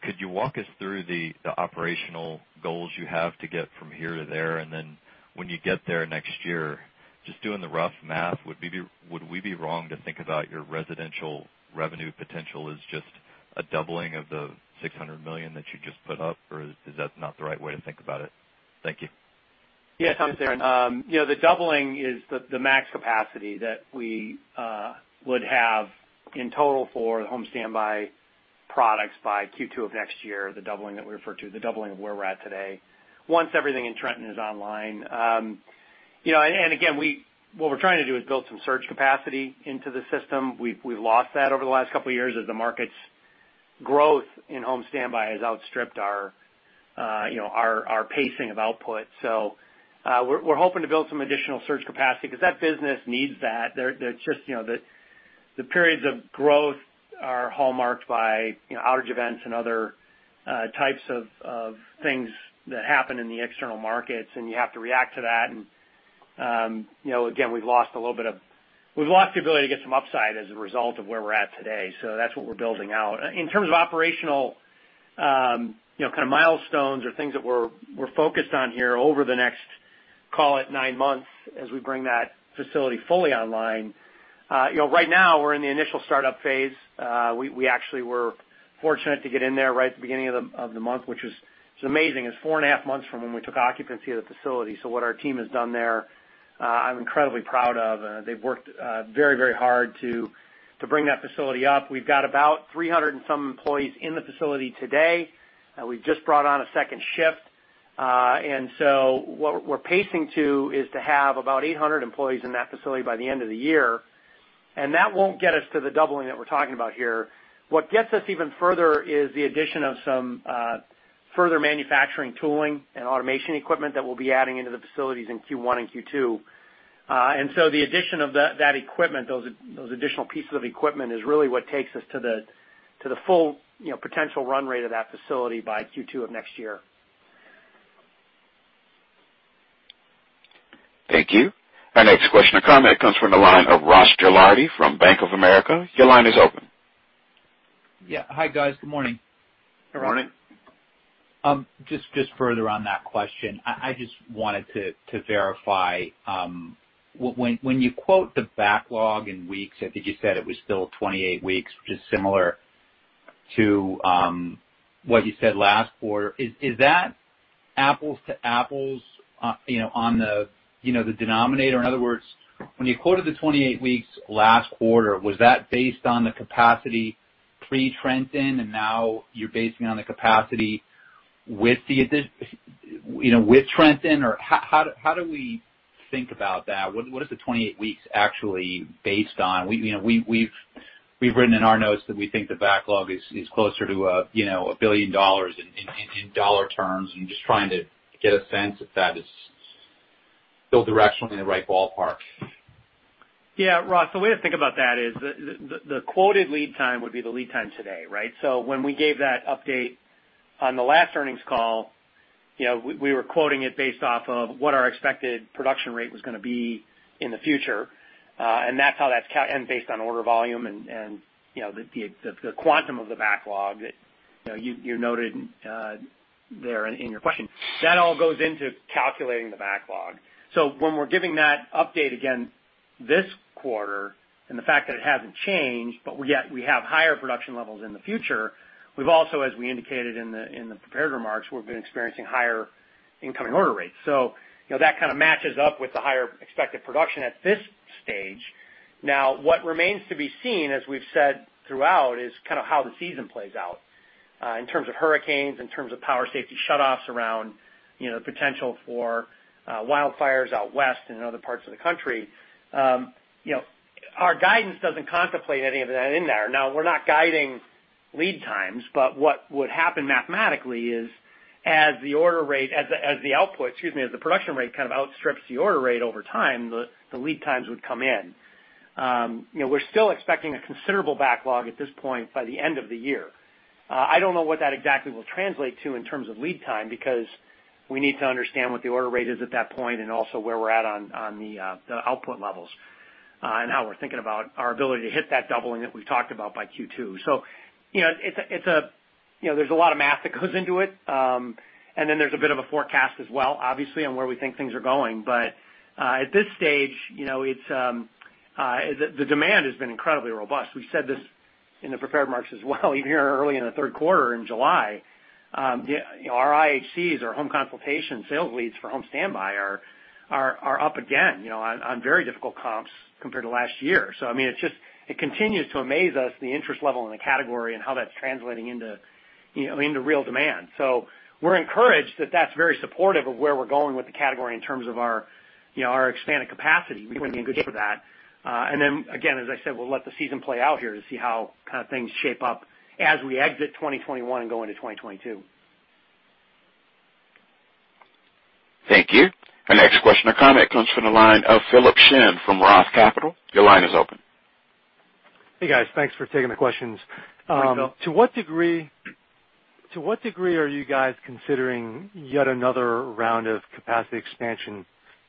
Speaker 6: Could you walk us through the operational goals you have to get from here to there? When you get there next year, just doing the rough math, would we be wrong to think about your residential revenue potential as just a doubling of the $600 million that you just put up, or is that not the right way to think about it? Thank you.
Speaker 3: Yeah, Tommy, it's Aaron. The doubling is the max capacity that we would have in total for the home standby products by Q2 of next year, the doubling that we refer to, the doubling of where we're at today, once everything in Trenton is online. Again, what we're trying to do is build some surge capacity into the system. We've lost that over the last couple of years as the market's growth in home standby has outstripped our pacing of output. We're hoping to build some additional surge capacity because that business needs that. The periods of growth are hallmarked by outage events and other types of things that happen in the external markets, and you have to react to that. Again, we've lost the ability to get some upside as a result of where we're at today. That's what we're building out. In terms of operational kind of milestones or things that we're focused on here over the next, call it nine months, as we bring that facility fully online. Right now, we're in the initial startup phase. We actually were fortunate to get in there right at the beginning of the month, which is amazing. It's four and a half months from when we took occupancy of the facility. What our team has done there, I'm incredibly proud of. They've worked very hard to bring that facility up. We've got about 300 and some employees in the facility today. We've just brought on a 2nd shift. What we're pacing to is to have about 800 employees in that facility by the end of the year, and that won't get us to the doubling that we're talking about here. What gets us even further is the addition of some further manufacturing tooling and automation equipment that we'll be adding into the facilities in Q1 and Q2. The addition of that equipment, those additional pieces of equipment, is really what takes us to the full potential run rate of that facility by Q2 of next year.
Speaker 1: Thank you. Our next question or comment comes from the line of Ross Gilardi from Bank of America. Your line is open.
Speaker 7: Yeah. Hi, guys. Good morning.
Speaker 3: Good morning.
Speaker 4: Good Morning.
Speaker 7: Just further on that question. I just wanted to verify. When you quote the backlog in weeks, I think you said it was still 28 weeks, which is similar to what you said last quarter. Is that apples to apples on the denominator? In other words, when you quoted the 28 weeks last quarter, was that based on the capacity pre-Trenton, and now you're basing on the capacity with Trenton? How do we think about that? What is the 28 weeks actually based on? We've written in our notes that we think the backlog is closer to $1 billion in dollar terms. Just trying to get a sense if that is still directionally in the right ballpark.
Speaker 3: Ross, the way to think about that is the quoted lead time would be the lead time today, right? When we gave that update on the last earnings call, we were quoting it based off of what our expected production rate was going to be in the future. That's how that's based on order volume and the quantum of the backlog that you noted there in your question. That all goes into calculating the backlog. When we're giving that update again this quarter, and the fact that it hasn't changed, but yet we have higher production levels in the future, we've also, as we indicated in the prepared remarks, we've been experiencing higher incoming order rates. That kind of matches up with the higher expected production at this stage. What remains to be seen, as we've said throughout, is kind of how the season plays out in terms of hurricanes, in terms of power safety shutoffs around the potential for wildfires out west and in other parts of the country. Our guidance doesn't contemplate any of that in there. We're not guiding lead times, but what would happen mathematically is as the order rate, as the output- excuse me, as the production rate kind of outstrips the order rate over time, the lead times would come in. We're still expecting a considerable backlog at this point by the end of the year. I don't know what that exactly will translate to in terms of lead time, because we need to understand what the order rate is at that point and also where we're at on the output levels and how we're thinking about our ability to hit that doubling that we talked about by Q2. There's a lot of math that goes into it, and then there's a bit of a forecast as well, obviously, on where we think things are going. At this stage, the demand has been incredibly robust. We said this in the prepared remarks as well, even here early in the third quarter in July. Our IHCs, our home consultation sales leads for home standby are up again on very difficult comps compared to last year. I mean, it continues to amaze us- the interest level in the category and how that's translating into real demand. We're encouraged that that's very supportive of where we're going with the category in terms of our expanded capacity. We want to be in good shape for that. Again, as I said, we'll let the season play out here to see how things shape up as we exit 2021 and go into 2022.
Speaker 1: Thank you. Our next question or comment comes from the line of Philip Shen from Roth Capital. Your line is open.
Speaker 8: Hey, guys. Thanks for taking the questions.
Speaker 3: Hi, Phil.
Speaker 8: To what degree are you guys considering yet another round of capacity expansion?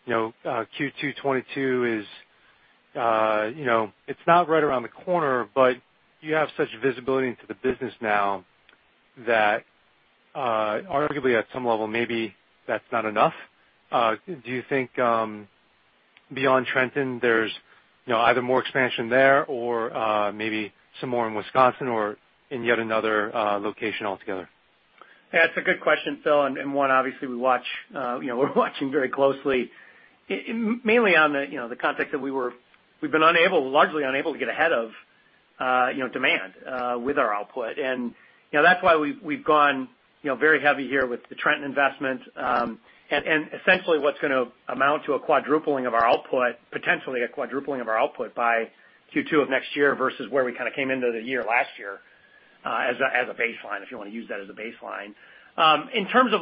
Speaker 8: Q2 2022, it's not right around the corner. You have such visibility into the business now that arguably at some level, maybe that's not enough. Do you think beyond Trenton, there's either more expansion there or maybe some more in Wisconsin or in yet another location altogether?
Speaker 3: That's a good question, Phil, and one obviously we're watching very closely. Mainly on the context that we've been largely unable to get ahead of demand with our output. That's why we've gone very heavy here with the Trenton investment, and essentially what's going to amount to a quadrupling of our output, potentially a quadrupling of our output by Q2 of next year versus where we came into the year last year as a baseline, if you want to use that as a baseline. In terms of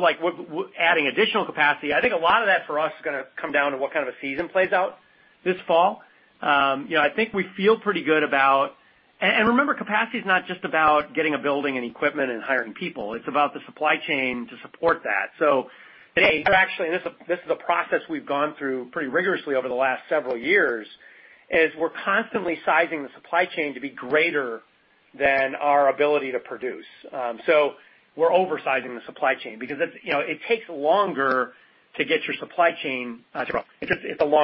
Speaker 3: adding additional capacity, I think a lot of that for us is going to come down to what kind of a season plays out this fall. I think we feel pretty good about. Remember, capacity is not just about getting a building and equipment and hiring people. It's about the supply chain to support that. Actually, this is a process we've gone through pretty rigorously over the last several years, is we're constantly sizing the supply chain to be greater than our ability to produce. We're oversizing the supply chain because it takes longer to get your supply chain. A lot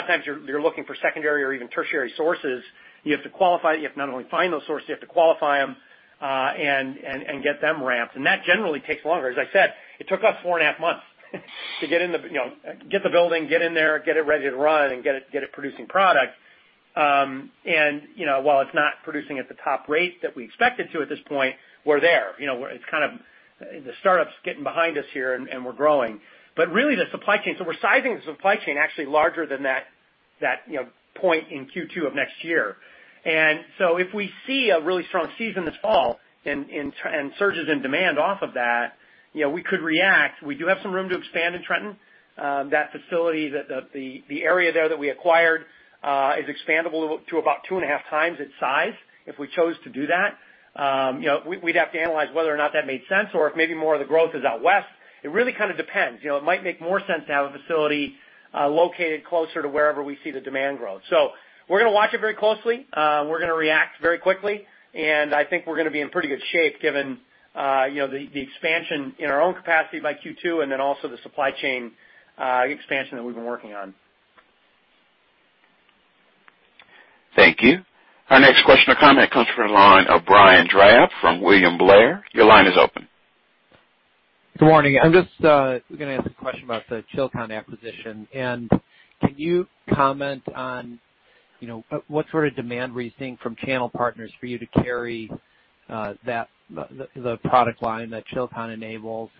Speaker 3: of times you're looking for secondary or even tertiary sources. You have to qualify. You have to not only find those sources, you have to qualify them, and get them ramped. That generally takes longer. As I said, it took us four and a half months to get the building, get in there, get it ready to run, and get it producing product. While it's not producing at the top rate that we expect it to at this point, we're there. The startup's getting behind us here, and we're growing. Really, the supply chain, we're sizing the supply chain actually larger than that point in Q2 of next year. If we see a really strong season this fall and surges in demand off of that, we could react. We do have some room to expand in Trenton. That facility, the area there that we acquired, is expandable to about 2.5 times its size if we chose to do that. We'd have to analyze whether or not that made sense or if maybe more of the growth is out west. It really depends. It might make more sense to have a facility located closer to wherever we see the demand growth. We're going to watch it very closely. We're going to react very quickly, and I think we're going to be in pretty good shape given the expansion in our own capacity by Q2 and then also the supply chain expansion that we've been working on.
Speaker 1: Thank you. Our next question or comment comes from the line of Brian Drab from William Blair. Your line is open.
Speaker 9: Good morning. I'm just going to ask a question about the Chilicon acquisition. Can you comment on what sort of demand were you seeing from channel partners for you to carry the product line that Chilicon enables?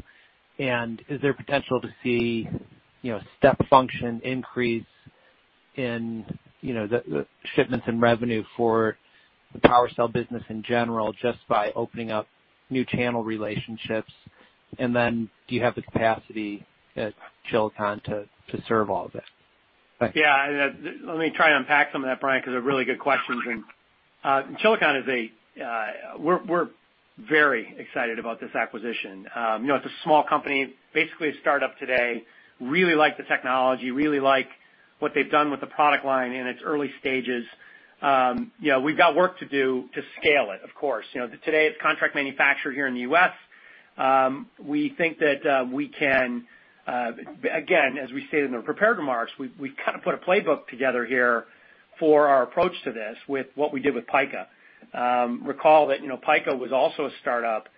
Speaker 9: Is there potential to see step function increase in the shipments and revenue for the PWRcell business in general just by opening up new channel relationships? Do you have the capacity at Chilicon to serve all of that? Thanks.
Speaker 3: Yeah. Let me try to unpack some of that, Brian, because they're really good questions. Chilicon, we're very excited about this acquisition. It's a small company, basically a startup today. Really like the technology, really like what they've done with the product line in its early stages. We've got work to do to scale it, of course. Today it's contract manufactured here in the U.S. We think that we can, again, as we stated in the prepared remarks, we put a playbook together here for our approach to this with what we did with Pika. Recall that Pika was also a startup,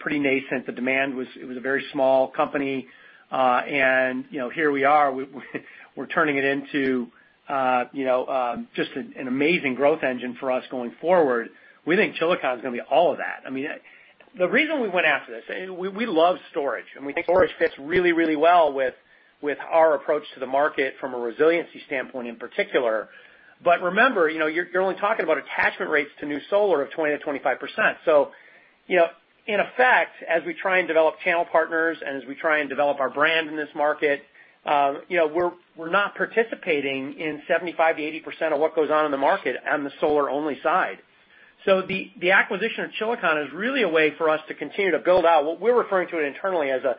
Speaker 3: pretty nascent. It was a very small company. Here we are, we're turning it into just an amazing growth engine for us going forward. We think Chilicon is going to be all of that. The reason we went after this, we love storage, and we think storage fits really well with our approach to the market from a resiliency standpoint in particular. Remember, you're only talking about attachment rates to new solar of 20%-25%. In effect, as we try and develop channel partners and as we try and develop our brand in this market, we're not participating in 75%-80% of what goes on in the market on the solar-only side. The acquisition of Chilicon is really a way for us to continue to build out what we're referring to internally as a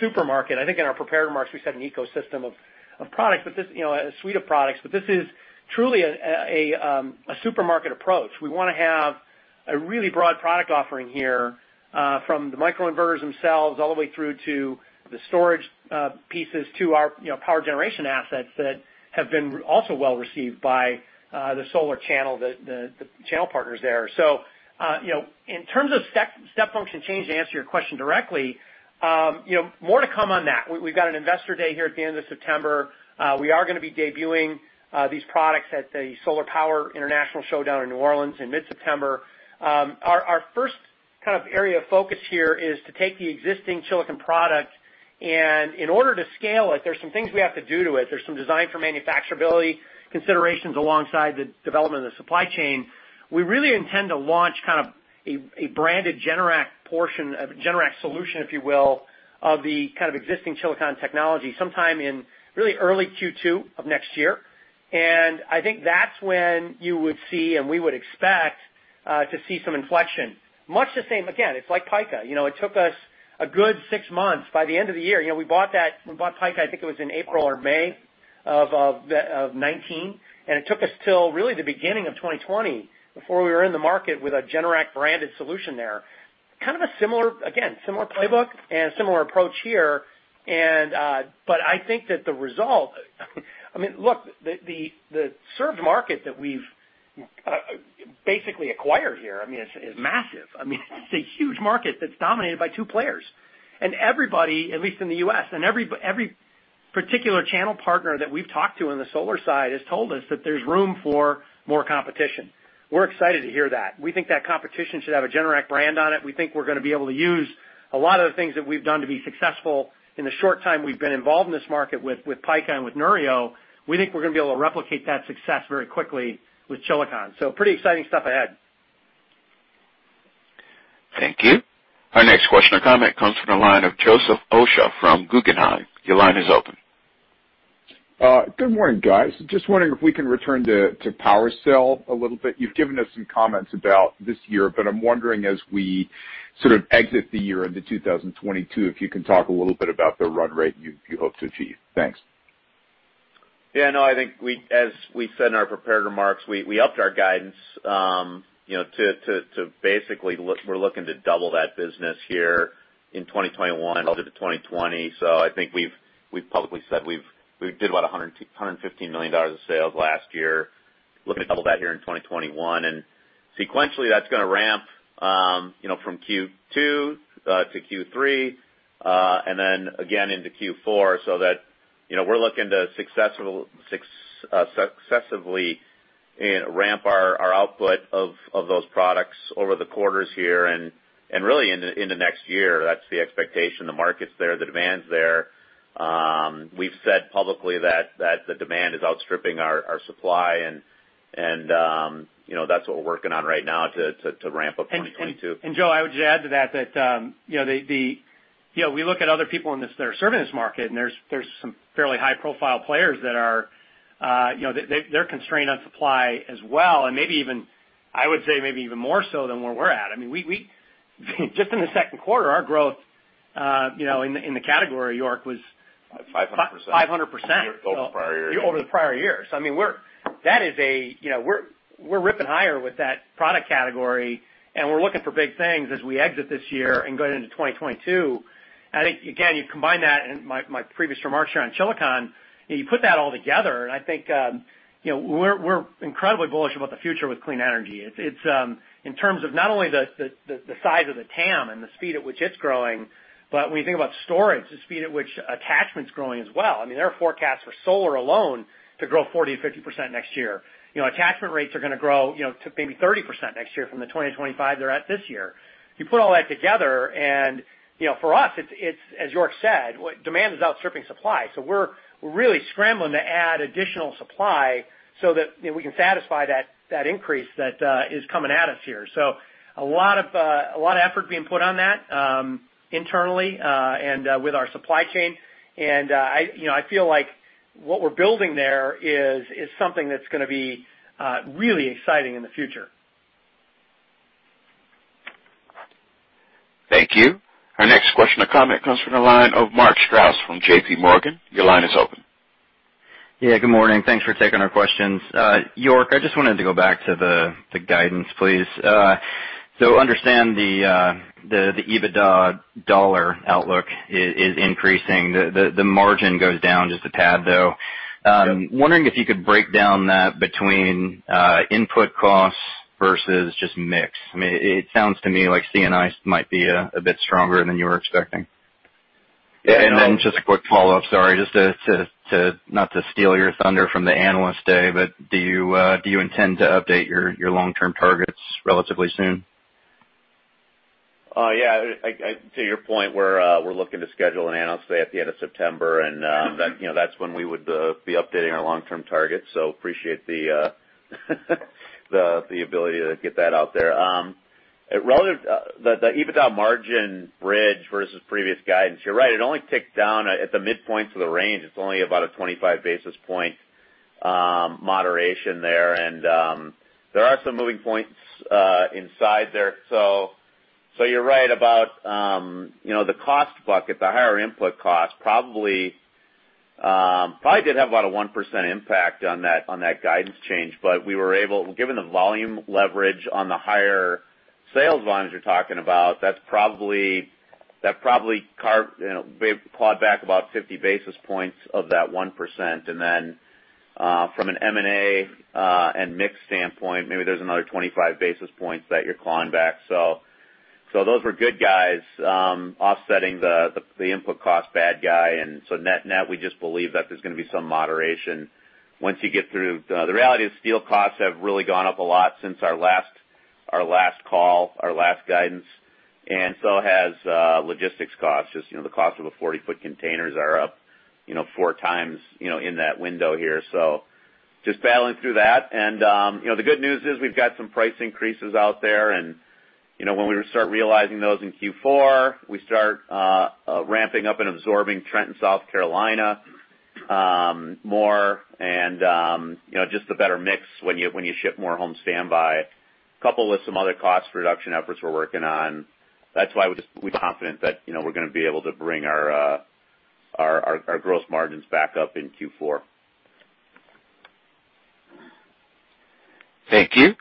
Speaker 3: supermarket. I think in our prepared remarks we said an ecosystem of products, a suite of products, but this is truly a supermarket approach. We want to have a really broad product offering here from the microinverters themselves all the way through to the storage pieces to our power generation assets that have been also well-received by the solar channel, the channel partners there. In terms of step function change, to answer your question directly, more to come on that. We've got an Investor Day here at the end of September. We are going to be debuting these products at the Solar Power International show down in New Orleans in mid-September. Our first area of focus here is to take the existing Chilicon product, and in order to scale it, there's some things we have to do to it. There's some design for manufacturability considerations alongside the development of the supply chain. We really intend to launch a branded Generac portion, a Generac solution, if you will, of the existing Chilicon technology sometime in really early Q2 of next year. I think that's when you would see, and we would expect to see some inflection. Much the same, again, it's like Pika. It took us a good six months by the end of the year. We bought Pika, I think it was in April or May of 2019, and it took us till really the beginning of 2020 before we were in the market with a Generac-branded solution there. Kind of a similar playbook and similar approach here. I think that the served market that we've basically acquired here is massive. It's a huge market that's dominated by two players. Everybody- at least in the U.S., and every particular channel partner that we've talked to on the solar side has told us that there's room for more competition. We're excited to hear that. We think that competition should have a Generac brand on it. We think we're going to be able to use a lot of the things that we've done to be successful in the short time we've been involved in this market with Pika and with Neurio. We think we're going to be able to replicate that success very quickly with Chilicon. Pretty exciting stuff ahead.
Speaker 1: Thank you. Our next question or comment comes from the line of Joseph Osha from Guggenheim. Your line is open.
Speaker 10: Good morning, guys. Just wondering if we can return to PWRcell a little bit. You've given us some comments about this year. I'm wondering, as we sort of exit the year into 2022, if you can talk a little bit about the run rate you hope to achieve. Thanks.
Speaker 4: I think as we said in our prepared remarks, we upped our guidance. We're looking to double that business here in 2021 relative to 2020. I think we've publicly said we did about $115 million of sales last year. Looking to double that here in 2021. Sequentially, that's going to ramp from Q2 to Q3, and then again into Q4, so that we're looking to successively ramp our output of those products over the quarters here and really into next year. That's the expectation. The market's there, the demand's there. We've said publicly that the demand is outstripping our supply and that's what we're working on right now to ramp up 2022.
Speaker 3: Joe, I would just add to that, we look at other people in this that are serving this market, there's some fairly high-profile players that are constrained on supply as well, I would say maybe even more so than where we're at. Just in the second quarter, our growth in the category, York, was-
Speaker 4: 500%.
Speaker 3: 500%...
Speaker 4: Over the prior year.
Speaker 3: ...over the prior year. We're ripping higher with that product category, and we're looking for big things as we exit this year and go into 2022. I think, again, you combine that and my previous remarks here on Chilicon, you put that all together, and I think we're incredibly bullish about the future with clean energy. In terms of not only the size of the TAM and the speed at which it's growing, but when you think about storage, the speed at which attachment's growing as well. There are forecasts for solar alone to grow 40%-50% next year. Attachment rates are going to grow to maybe 30% next year from the 20%-25% they're at this year. You put all that together, and for us, it's as York said, demand is outstripping supply. We're really scrambling to add additional supply so that we can satisfy that increase that is coming at us here. A lot of effort being put on that internally and with our supply chain. I feel like what we're building there is something that's going to be really exciting in the future.
Speaker 1: Thank you. Our next question or comment comes from the line of Mark Strouse from JPMorgan. Your line is open.
Speaker 11: Yeah, good morning. Thanks for taking our questions. York, I just wanted to go back to the guidance, please. Understand the EBITDA dollar outlook is increasing. The margin goes down just a tad, though. Wondering if you could break down that between input costs versus just mix- it sounds to me like C&I might be a bit stronger than you were expecting. And, then- just a quick follow-up. Sorry, not to steal your thunder from the Analyst Day, but do you intend to update your long-term targets relatively soon?
Speaker 4: To your point, we're looking to schedule an Analyst Day at the end of September, that's when we would be updating our long-term targets, appreciate the ability to get that out there. The EBITDA margin bridge versus previous guidance, you're right, it only ticks down at the midpoints of the range. Only about a 25 basis point moderation there. There are some moving points inside there. You're right about the cost bucket. The higher input cost probably did have about a 1% impact on that guidance change. Given the volume leverage on the higher sales volumes you're talking about, that probably clawed back about 50 basis points of that 1%. From an M&A and mix standpoint, maybe there's another 25 basis points that you're clawing back. Those were good guys offsetting the input cost bad guy. Net-net, we just believe that there's going to be some moderation once you get through. The reality is steel costs have really gone up a lot since our last call, our last guidance, and so has logistics costs. Just the cost of a 40-foot containers are up four times in that window here. Battling through that. The good news is we've got some price increases out there, and when we start realizing those in Q4, we start ramping up and absorbing Trenton, South Carolina more, and just the better mix when you ship more home standby, coupled with some other cost reduction efforts we're working on. That's why we're confident that we're going to be able to bring our gross margins back up in Q4.
Speaker 1: Thank you.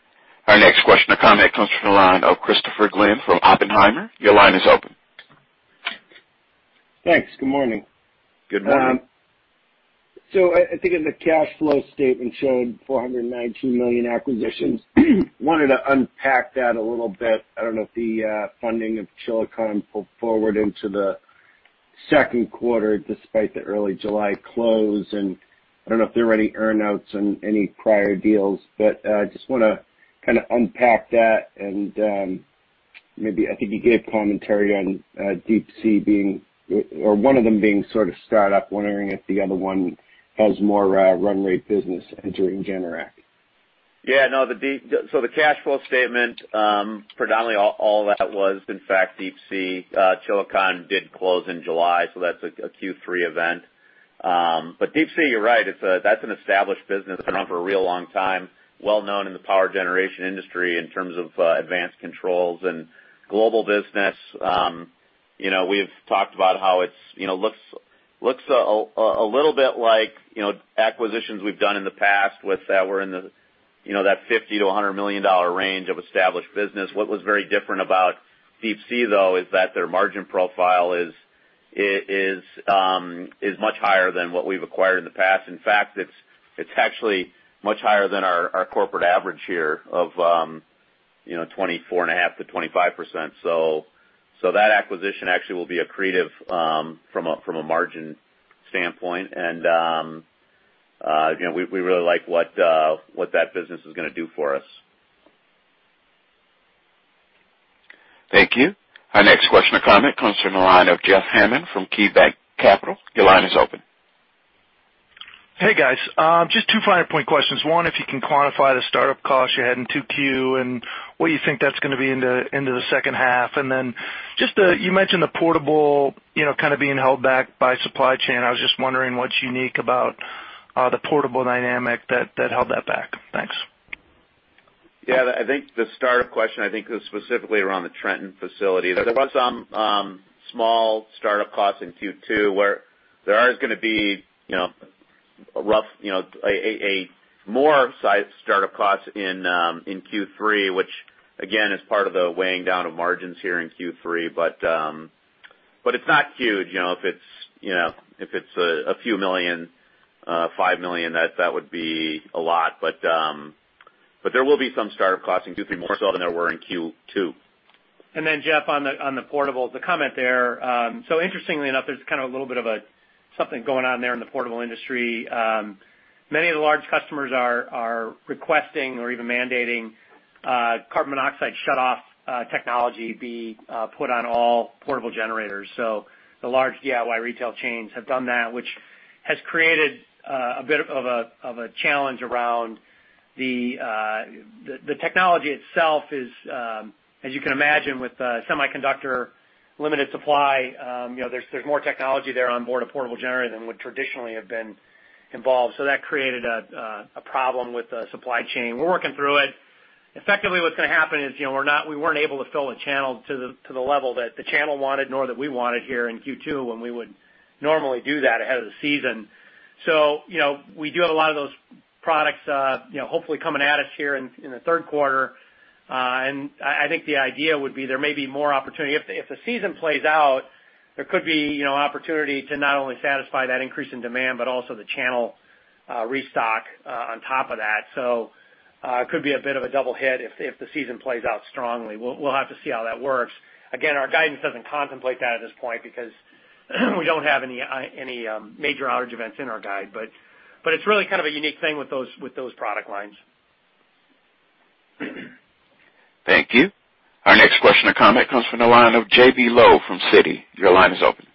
Speaker 1: Our next question or comment comes from the line of Christopher Glynn from Oppenheimer. Your line is open.
Speaker 12: Thanks. Good morning.
Speaker 4: Good morning.
Speaker 12: I think in the cash flow statement showed $419 million acquisitions. I wanted to unpack that a little bit. I don't know if the funding of Chilicon pulled forward into the second quarter despite the early July close, and I don't know if there were any earn-outs on any prior deals. I just want to kind of unpack that, and maybe I think you gave commentary on Deep Sea being or one of them being sort of startup, wondering if the other one has more runway business entering Generac.
Speaker 4: Yeah, no. The cash flow statement, predominantly all that was in fact Deep Sea. Chilicon did close in July, that's a Q3 event. Deep Sea- you're right, that's an established business, been around for a real long time, well known in the power generation industry in terms of advanced controls and global business. We've talked about how it looks a little bit like acquisitions we've done in the past with that were in that $50 million-$100 million range of established business. What was very different about Deep Sea, though, is that their margin profile is much higher than what we've acquired in the past. In fact, it's actually much higher than our corporate average here of 24.5%-25%. That acquisition actually will be accretive from a margin standpoint. We really like what that business is going to do for us.
Speaker 1: Thank you. Our next question or comment comes from the line of Jeff Hammond from KeyBanc Capital. Your line is open.
Speaker 13: Hey, guys. Just two first point questions. One, if you can quantify the startup costs you had in 2Q and what you think that's going to be into the second half. Just you mentioned the portable kind of being held back by supply chain. I was just wondering what's unique about the portable dynamic that held that back. Thanks.
Speaker 4: Yeah, I think the startup question, I think is specifically around the Trenton facility. There was some small startup costs in Q2. There are going to be more size startup costs in Q3, which again, is part of the weighing down of margins here in Q3. It's not huge. If it's a few million, $5 million, that would be a lot. There will be some startup costs in Q3, more so than there were in Q2.
Speaker 3: Jeff, on the portable, the comment there. Interestingly enough, there's kind of a little bit of something going on there in the portable industry. Many of the large customers are requesting or even mandating carbon monoxide shutoff technology be put on all portable generators. The large DIY retail chains have done that, which has created a bit of a challenge around the technology itself is, as you can imagine, with semiconductor limited supply, there's more technology there on board a portable generator than would traditionally have been involved. That created a problem with the supply chain. We're working through it. Effectively, what's going to happen is we weren't able to fill the channel to the level that the channel wanted, nor that we wanted here in Q2 when we would normally do that ahead of the season. We do have a lot of those products hopefully coming at us here in the third quarter. I think the idea would be there may be more opportunity. If the season plays out, there could be opportunity to not only satisfy that increase in demand, but also the channel restock on top of that. Could be a bit of a double hit if the season plays out strongly. We'll have to see how that works. Again, our guidance doesn't contemplate that at this point because we don't have any major outage events in our guide. It's really kind of a unique thing with those product lines.
Speaker 1: Thank you. Our next question or comment comes from the line of J.B. Lowe from Citi. Your line is open.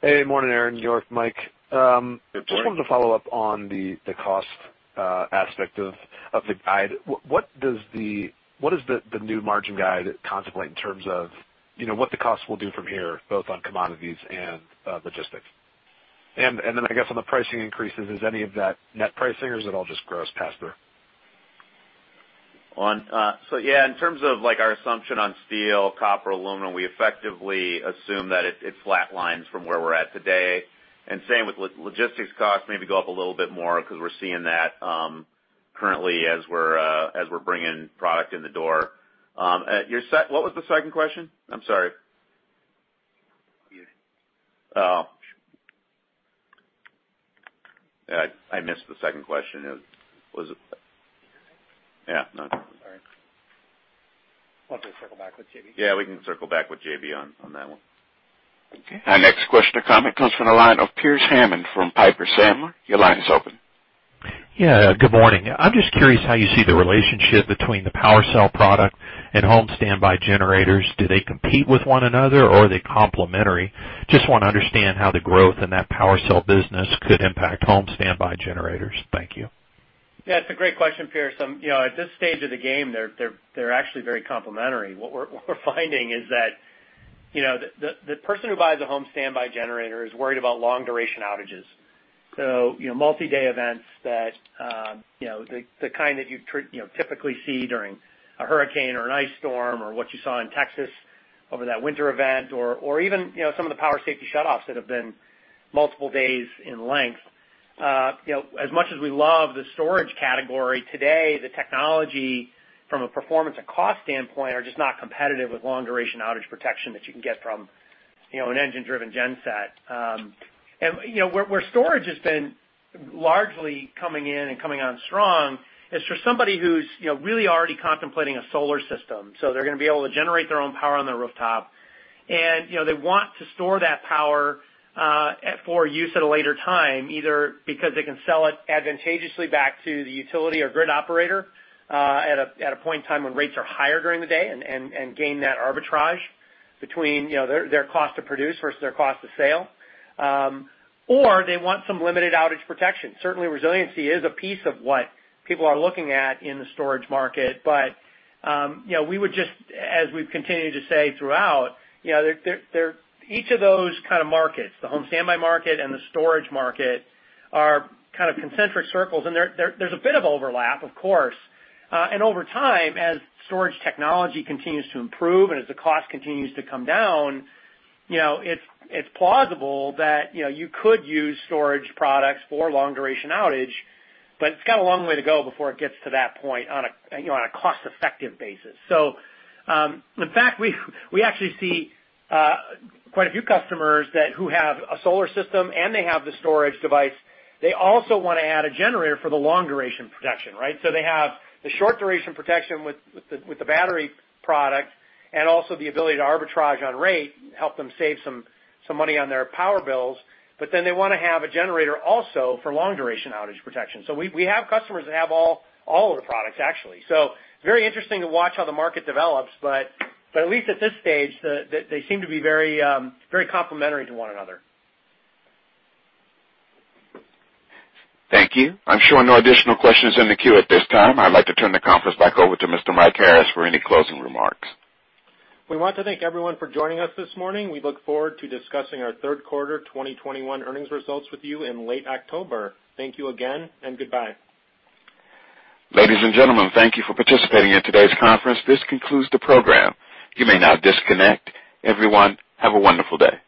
Speaker 14: Hey, morning, Aaron, York, Mike.
Speaker 4: Good morning.
Speaker 14: Just wanted to follow up on the cost aspect of the guide. What does the new margin guide contemplate in terms of what the cost will do from here, both on commodities and logistics? I guess on the pricing increases, is any of that net pricing or is it all just gross pass through?
Speaker 4: Yeah, in terms of our assumption on steel, copper, aluminum, we effectively assume that it flat lines from where we're at today. Same with logistics costs, maybe go up a little bit more because we're seeing that currently as we're bringing product in the door. What was the second question? I'm sorry. Oh. I missed the second question. Was it? Yeah, no.
Speaker 3: Why don't we circle back with J.B.?
Speaker 4: Yeah, we can circle back with J.B. on that one.
Speaker 3: Okay.
Speaker 1: Our next question or comment comes from the line of Pearce Hammond from Piper Sandler. Your line is open.
Speaker 15: Yeah, good morning. I'm just curious how you see the relationship between the PWRcell product and home standby generators. Do they compete with one another or are they complementary? Just want to understand how the growth in that PWRcell business could impact home standby generators. Thank you.
Speaker 3: Yeah, it's a great question, Pearce. At this stage of the game, they're actually very complementary. What we're finding is that the person who buys a home standby generator is worried about long duration outages. Multi-day events that the kind that you typically see during a hurricane or an ice storm or what you saw in Texas. Over that winter event or even some of the power safety shutoffs that have been multiple days in length. As much as we love the storage category today, the technology from a performance and cost standpoint are just not competitive with long-duration outage protection that you can get from an engine-driven genset. Where storage has been largely coming in and coming on strong is for somebody who's really already contemplating a solar system, so they're going to be able to generate their own power on their rooftop. They want to store that power for use at a later time, either because they can sell it advantageously back to the utility or grid operator at a point in time when rates are higher during the day and gain that arbitrage between their cost to produce versus their cost to sale. They want some limited outage protection. Certainly, resiliency is a piece of what people are looking at in the storage market. But, we would just, as we've continued to say throughout, each of those kind of markets, the home standby market and the storage market, are kind of concentric circles, and there's a bit of overlap, of course. Over time, as storage technology continues to improve and as the cost continues to come down, it's plausible that you could use storage products for long-duration outage, but it's got a long way to go before it gets to that point on a cost-effective basis. In fact, we actually see quite a few customers who have a solar system, and they have the storage device. They also want to add a generator for the long-duration protection, right? They have the short-duration protection with the battery product and also the ability to arbitrage on rate, help them save some money on their power bills. They want to have a generator also for long-duration outage protection. We have customers that have all of the products, actually. Very interesting to watch how the market develops, but at least at this stage, they seem to be very complementary to one another.
Speaker 1: Thank you. I'm showing no additional questions in the queue at this time. I'd like to turn the conference back over to Mr. Mike Harris for any closing remarks.
Speaker 2: We want to thank everyone for joining us this morning. We look forward to discussing our third quarter 2021 earnings results with you in late October. Thank you again, and goodbye.
Speaker 1: Ladies and gentlemen, thank you for participating in today's conference. This concludes the program. You may now disconnect. Everyone, have a wonderful day.